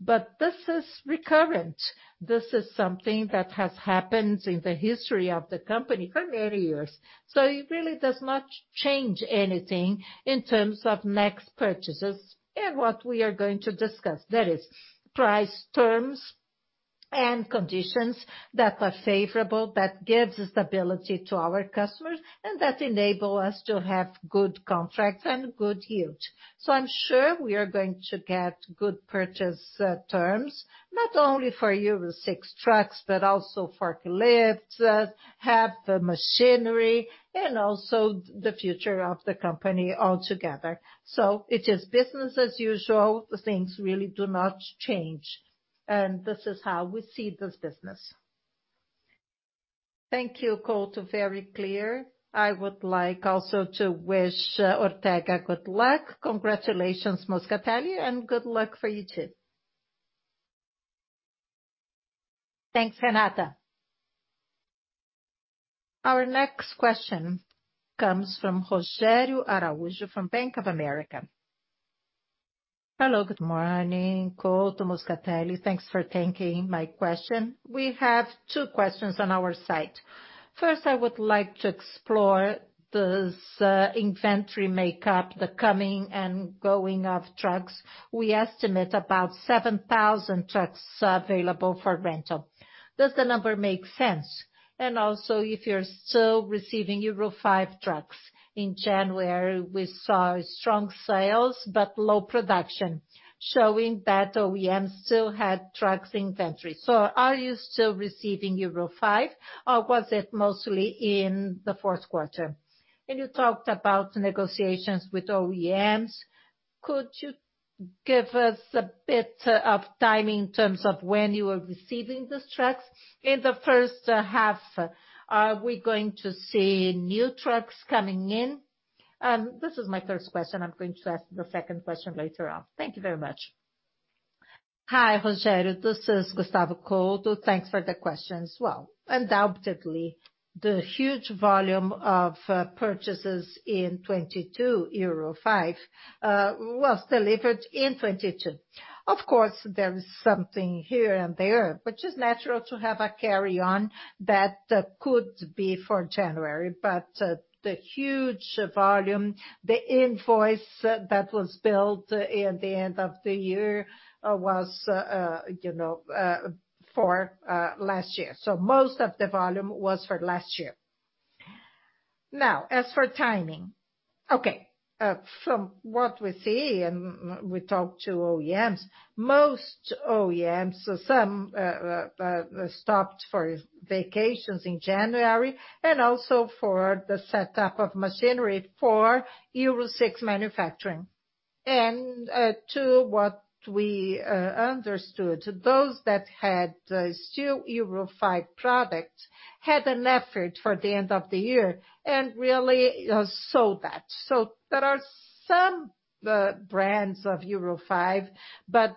This is recurrent. This is something that has happened in the history of the company for many years. It really does not change anything in terms of next purchases and what we are going to discuss. That is price terms and conditions that are favorable, that gives stability to our customers, and that enable us to have good contracts and good yield. I'm sure we are going to get good purchase terms not only for Euro VI trucks, but also forklifts, heavy machinery, and also the future of the company altogether. It is business as usual. Things really do not change, and this is how we see this business. Thank you, Couto. Very clear. I would like also to wish Ortega good luck. Congratulations, Moscatelli, and good luck for you too. Thanks, Renata. Our next question comes from Rogerio Araujo from Bank of America. Hello, good morning, Couto, Moscatelli. Thanks for taking my question. We have two questions on our side. First, I would like to explore this inventory makeup, the coming and going of trucks. We estimate about 7,000 trucks available for rental. Does the number make sense? Also, if you're still receiving Euro V trucks. In January we saw strong sales but low production, showing that OEM still had trucks inventory. Are you still receiving Euro V or was it mostly in the fourth quarter? You talked about negotiations with OEMs. Could you give us a bit of timing in terms of when you are receiving these trucks in the first half? Are we going to see new trucks coming in? This is my first question. I'm going to ask the second question later on. Thank you very much. Hi, Rogerio. This is Gustavo Couto. Thanks for the question as well. Undoubtedly, the huge volume of purchases in 2022 Euro V was delivered in 2022. Of course, there is something here and there, which is natural to have a carry-on that could be for January. The huge volume, the invoice that was built in the end of the year was, you know, for last year. Most of the volume was for last year. As for timing. Okay, from what we see and we talked to OEMs, most OEMs, so some stopped for vacations in January and also for the setup of machinery for Euro VI manufacturing. To what we understood, those that had still Euro V product had an effort for the end of the year and really sold that. There are some brands of Euro V, but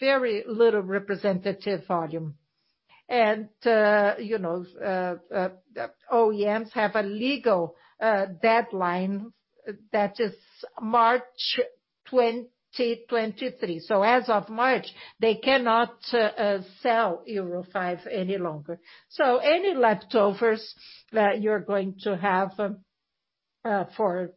very little representative volume. You know, OEMs have a legal deadline that is March 2023. As of March, they cannot sell Euro V any longer. Any leftovers that you're going to have for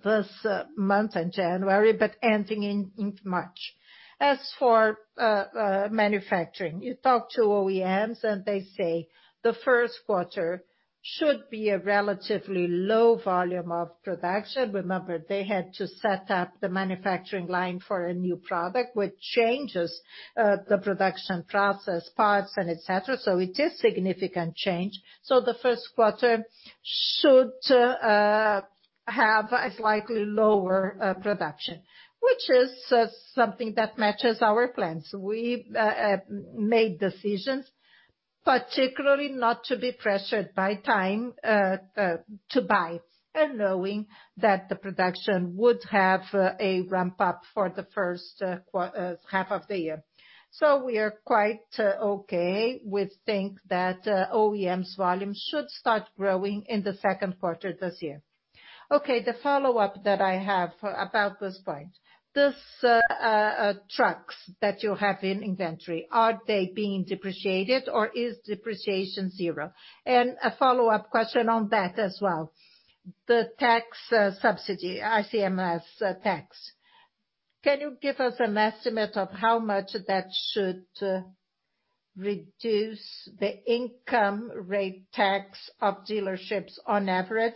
this month in January, but ending in March. As for manufacturing, you talk to OEMs and they say the first quarter should be a relatively low volume of production. Remember, they had to set up the manufacturing line for a new product, which changes the production process, parts, and et cetera. It is significant change. The first quarter should have a slightly lower production, which is something that matches our plans. We made decisions, particularly not to be pressured by time, to buy and knowing that the production would have a ramp up for the first half of the year. We are quite okay. We think that OEMs volume should start growing in the second quarter this year. The follow-up that I have about this point, these trucks that you have in inventory, are they being depreciated or is depreciation zero? A follow-up question on that as well. The tax subsidy, ICMS tax, can you give us an estimate of how much that should reduce the income rate tax of dealerships on average?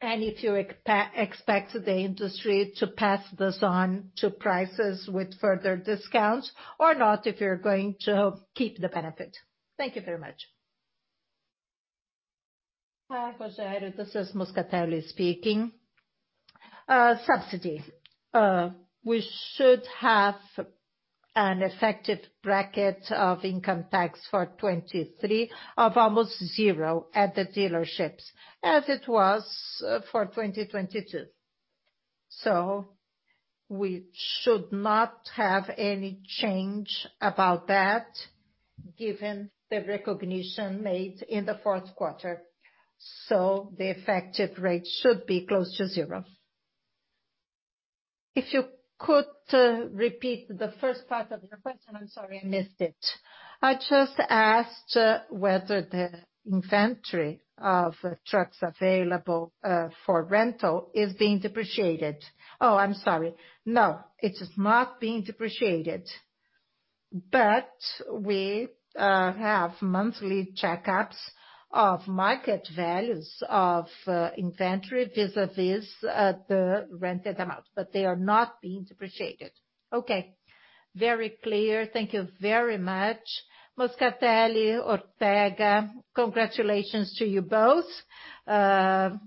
If you expect the industry to pass this on to prices with further discounts or not, if you're going to keep the benefit. Thank you very much. Hi, Rogerio, this is Moscatelli speaking. Subsidy. We should have an effective bracket of income tax for 23 of almost zero at the dealerships as it was for 2022. We should not have any change about that given the recognition made in the fourth quarter. The effective rate should be close to zero. If you could repeat the first part of your question. I'm sorry I missed it. I just asked whether the inventory of trucks available for rental is being depreciated. I'm sorry. No, it is not being depreciated. We have monthly checkups of market values of inventory vis-à-vis the rented amount, but they are not being depreciated. Okay. Very clear. Thank you very much. Moscatelli, Ortega, congratulations to you both. I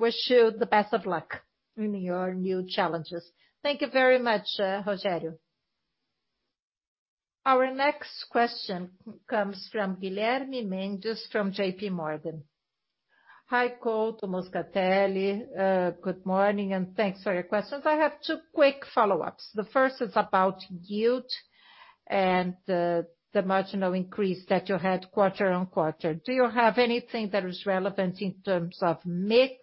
wish you the best of luck in your new challenges. Thank you very much, Rogerio. Our next question comes from Guilherme Mendes, from JPMorgan. Hi, Couto, to Moscatelli. Good morning, and thanks for your questions. I have two quick follow-ups. The first is about yield and the marginal increase that you had quarter-on-quarter. Do you have anything that is relevant in terms of mix?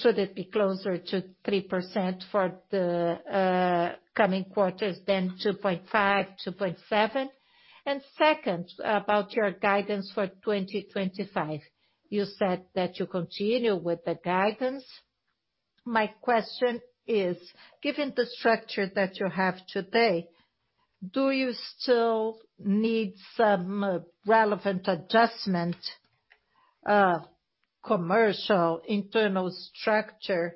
Should it be closer to 3% for the coming quarters then 2.5, 2.7? Second, about your guidance for 2025, you said that you continue with the guidance. My question is, given the structure that you have today, do you still need some relevant adjustment, commercial, internal structure?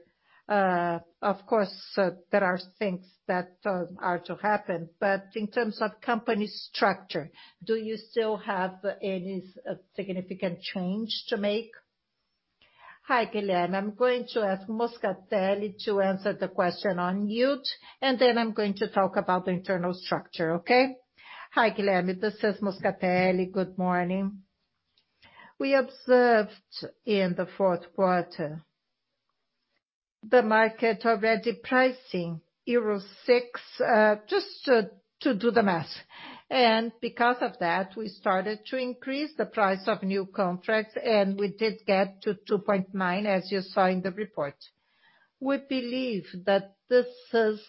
Of course, there are things that are to happen, but in terms of company structure, do you still have any significant change to make? Hi, Guilherme. I'm going to ask Moscatelli to answer the question on yield, and then I'm going to talk about the internal structure. Okay? Hi, Guilherme. This is Moscatelli. Good morning. We observed in the fourth quarter. The market already pricing Euro VI, just to do the math. Because of that, we started to increase the price of new contracts, and we did get to 2.9%, as you saw in the report. We believe that this is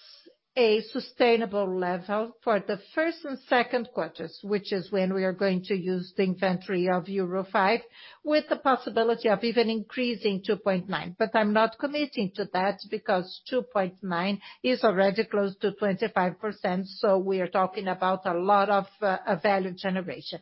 a sustainable level for the first and second quarters, which is when we are going to use the inventory of Euro V, with the possibility of even increasing 2.9%. I'm not committing to that because 2.9% is already close to 25%, so we are talking about a lot of value generation.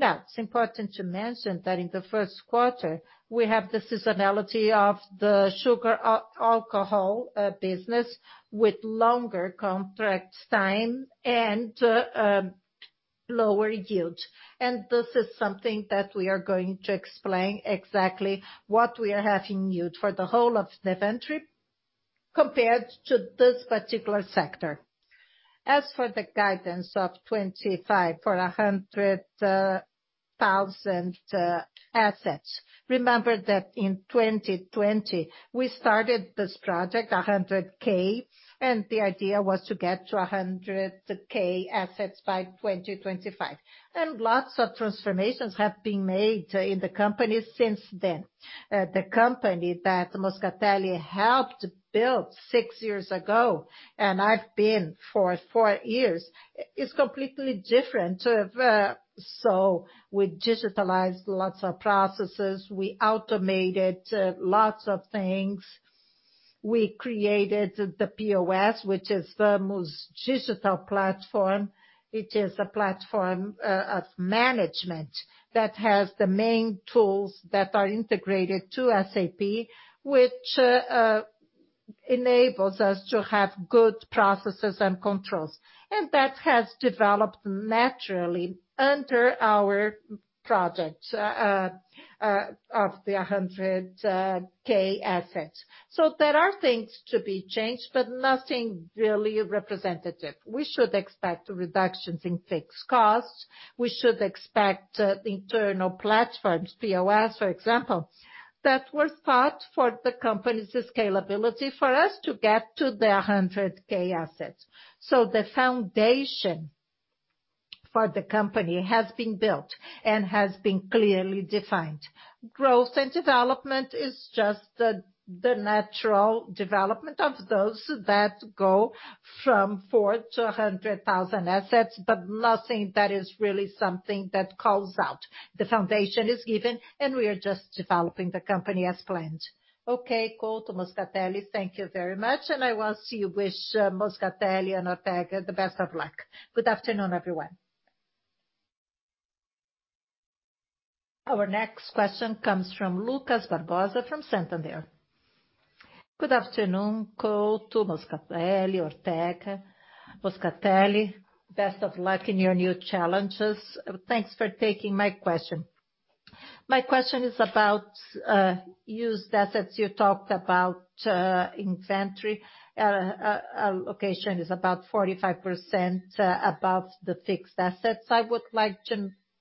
Now, it's important to mention that in the first quarter, we have the seasonality of the sugar and alcohol business with longer contract time and lower yield. This is something that we are going to explain exactly what we are having yield for the whole of the inventory compared to this particular sector. As for the guidance of 2025 for 100,000 assets. Remember that in 2020, we started this project, 100,000, and the idea was to get to 100,000 assets by 2025. Lots of transformations have been made in the company since then. The company that Moscatelli helped build six years ago, and I've been for four years, it's completely different. We digitalized lots of processes, we automated lots of things. We created the POS, which is the most digital platform. It is a platform of management that has the main tools that are integrated to SAP, which enables us to have good processes and controls. That has developed naturally under our project of the 100,000 assets. There are things to be changed, but nothing really representative. We should expect reductions in fixed costs. We should expect internal platforms, POS, for example, that were thought for the company's scalability for us to get to the 100,000 assets. The foundation for the company has been built and has been clearly defined. Growth and development is just the natural development of those that go from 4 to 100,000 assets, but nothing that is really something that calls out. The foundation is given, and we are just developing the company as planned. Okay, Couto, Moscatelli, thank you very much. I want to wish Moscatelli and Ortega the best of luck. Good afternoon, everyone. Our next question comes from Lucas Barbosa from Santander. Good afternoon, Couto, Moscatelli, Ortega. Moscatelli, best of luck in your new challenges. Thanks for taking my question. My question is about used assets you talked about inventory. Allocation is about 45% above the fixed assets. I would like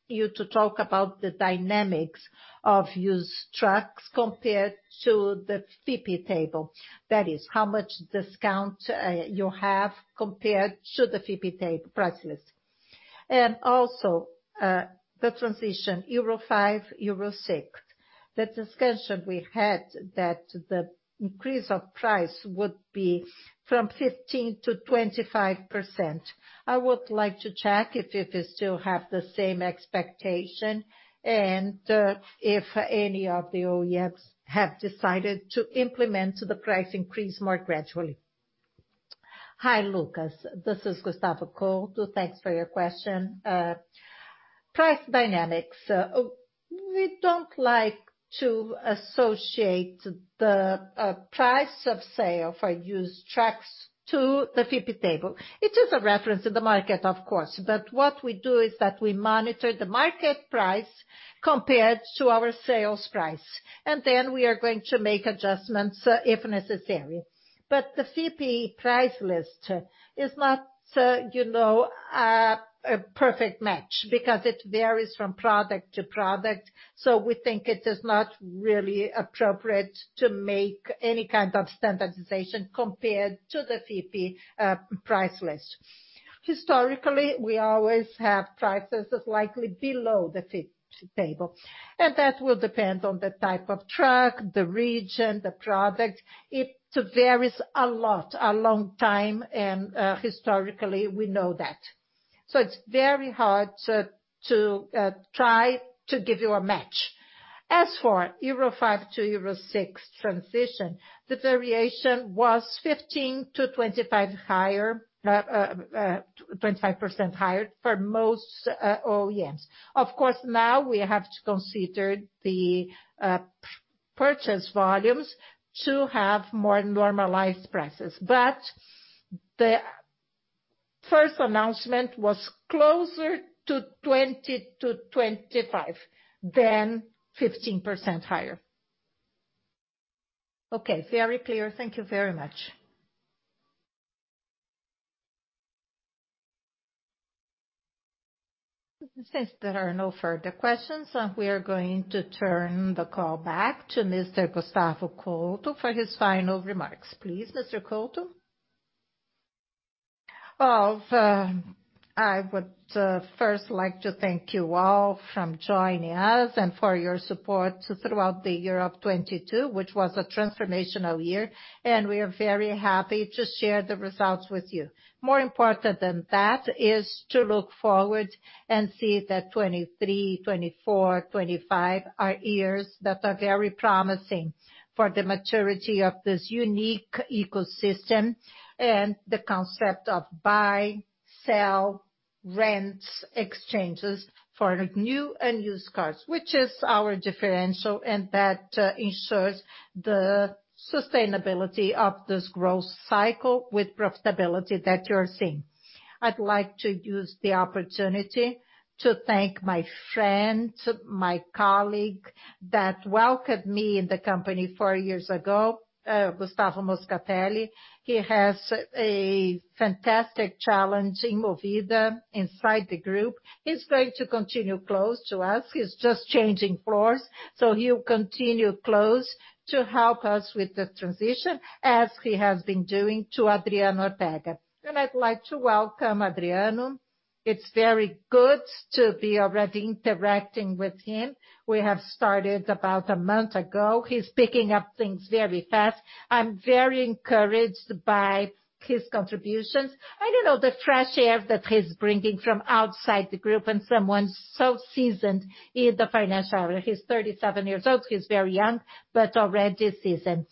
you to talk about the dynamics of used trucks compared to the FIPE table. That is how much discount you have compared to the FIPE table price list. Also, the transition Euro V, Euro VI. The discussion we had that the increase of price would be from 15%-25%. I would like to check if you still have the same expectation and if any of the OEMs have decided to implement the price increase more gradually? Hi, Lucas. This is Gustavo Couto. Thanks for your question. Price dynamics. We don't like to associate the price of sale for used trucks to the FIPE table. It is a reference in the market, of course, but what we do is that we monitor the market price compared to our sales price, and then we are going to make adjustments if necessary. The FIPE price list is not, you know, a perfect match because it varies from product to product. We think it is not really appropriate to make any kind of standardization compared to the FIPE price list. Historically, we always have prices that's likely below the FIPE table. That will depend on the type of truck, the region, the product. It varies a lot a long time and historically, we know that. It's very hard to try to give you a match. As for Euro V to Euro VI transition, the variation was 15-25% higher, 25% higher for most OEMs. Of course, now we have to consider the purchase volumes to have more normalized prices. The first announcement was closer to 20-25% than 15% higher. Okay. Very clear. Thank you very much. Since there are no further questions, we are going to turn the call back to Mr. Gustavo Couto for his final remarks. Please, Mr. Couto. I would first like to thank you all from joining us and for your support throughout the year of 2022, which was a transformational year. We are very happy to share the results with you. More important than that is to look forward and see that 2023, 2024, 2025 are years that are very promising for the maturity of this unique ecosystem and the concept of buy, sell, rent, exchanges for new and used cars, which is our differential. That ensures the sustainability of this growth cycle with profitability that you're seeing. I'd like to use the opportunity to thank my friend, my colleague that welcomed me in the company four years ago, Gustavo Moscatelli. He has a fantastic challenge in Movida inside the group. He's going to continue close to us. He's just changing floors, so he'll continue close to help us with the transition, as he has been doing, to Adriano Ortega. I'd like to welcome Adriano. It's very good to be already interacting with him. We have started about a month ago. He's picking up things very fast. I'm very encouraged by his contributions and, you know, the fresh air that he's bringing from outside the group and someone so seasoned in the financial area. He's 37 years old. He's very young, but already seasoned.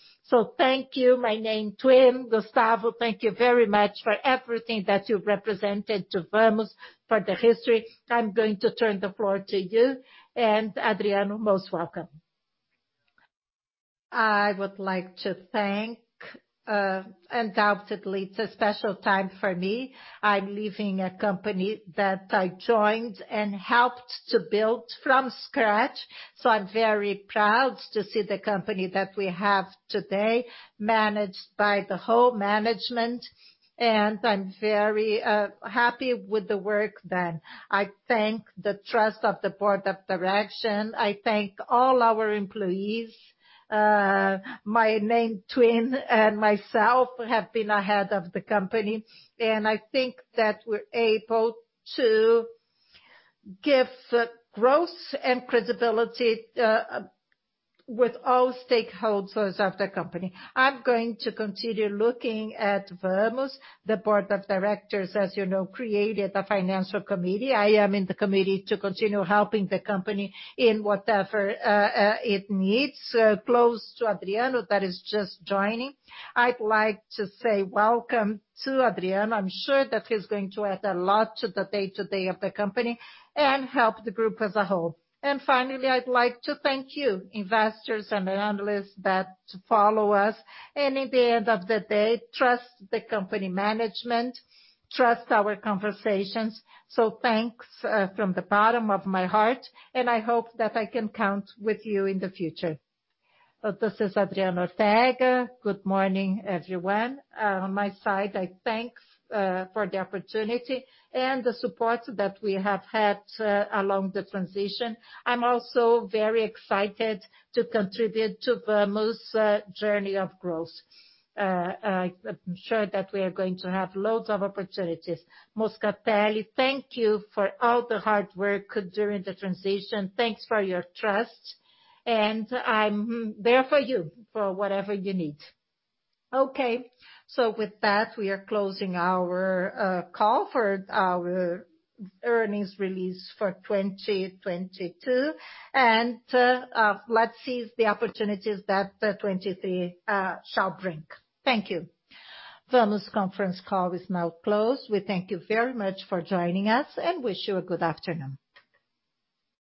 Thank you, my main twin. Gustavo, thank you very much for everything that you represented to Vamos, for the history. I'm going to turn the floor to you. Adriano, most welcome. I would like to thank, undoubtedly it's a special time for me. I'm leaving a company that I joined and helped to build from scratch, so I'm very proud to see the company that we have today managed by the whole management, and I'm very happy with the work done. I thank the trust of the board of directors. I thank all our employees. My main twin and myself have been ahead of the company, and I think that we're able to give growth and credibility with all stakeholders of the company. I'm going to continue looking at Vamos. The board of directors, as you know, created a financial committee. I am in the committee to continue helping the company in whatever it needs. Close to Adriano, that is just joining, I'd like to say welcome to Adriano. I'm sure that he's going to add a lot to the day-to-day of the Company and help the Group as a whole. Finally, I'd like to thank you, investors and analysts, that follow us, and at the end of the day, trust the Company management, trust our conversations. Thanks from the bottom of my heart, and I hope that I can count with you in the future. This is Adriano Ortega. Good morning, everyone. On my side, I thanks for the opportunity and the support that we have had along the transition. I'm also very excited to contribute to Vamos' journey of growth. I'm sure that we are going to have loads of opportunities. Moscatelli, thank you for all the hard work during the transition. Thanks for your trust, and I'm there for you for whatever you need. Okay. With that, we are closing our call for our earnings release for 2022, and let's seize the opportunities that 2023 shall bring. Thank you. Vamos conference call is now closed. We thank you very much for joining us and wish you a good afternoon.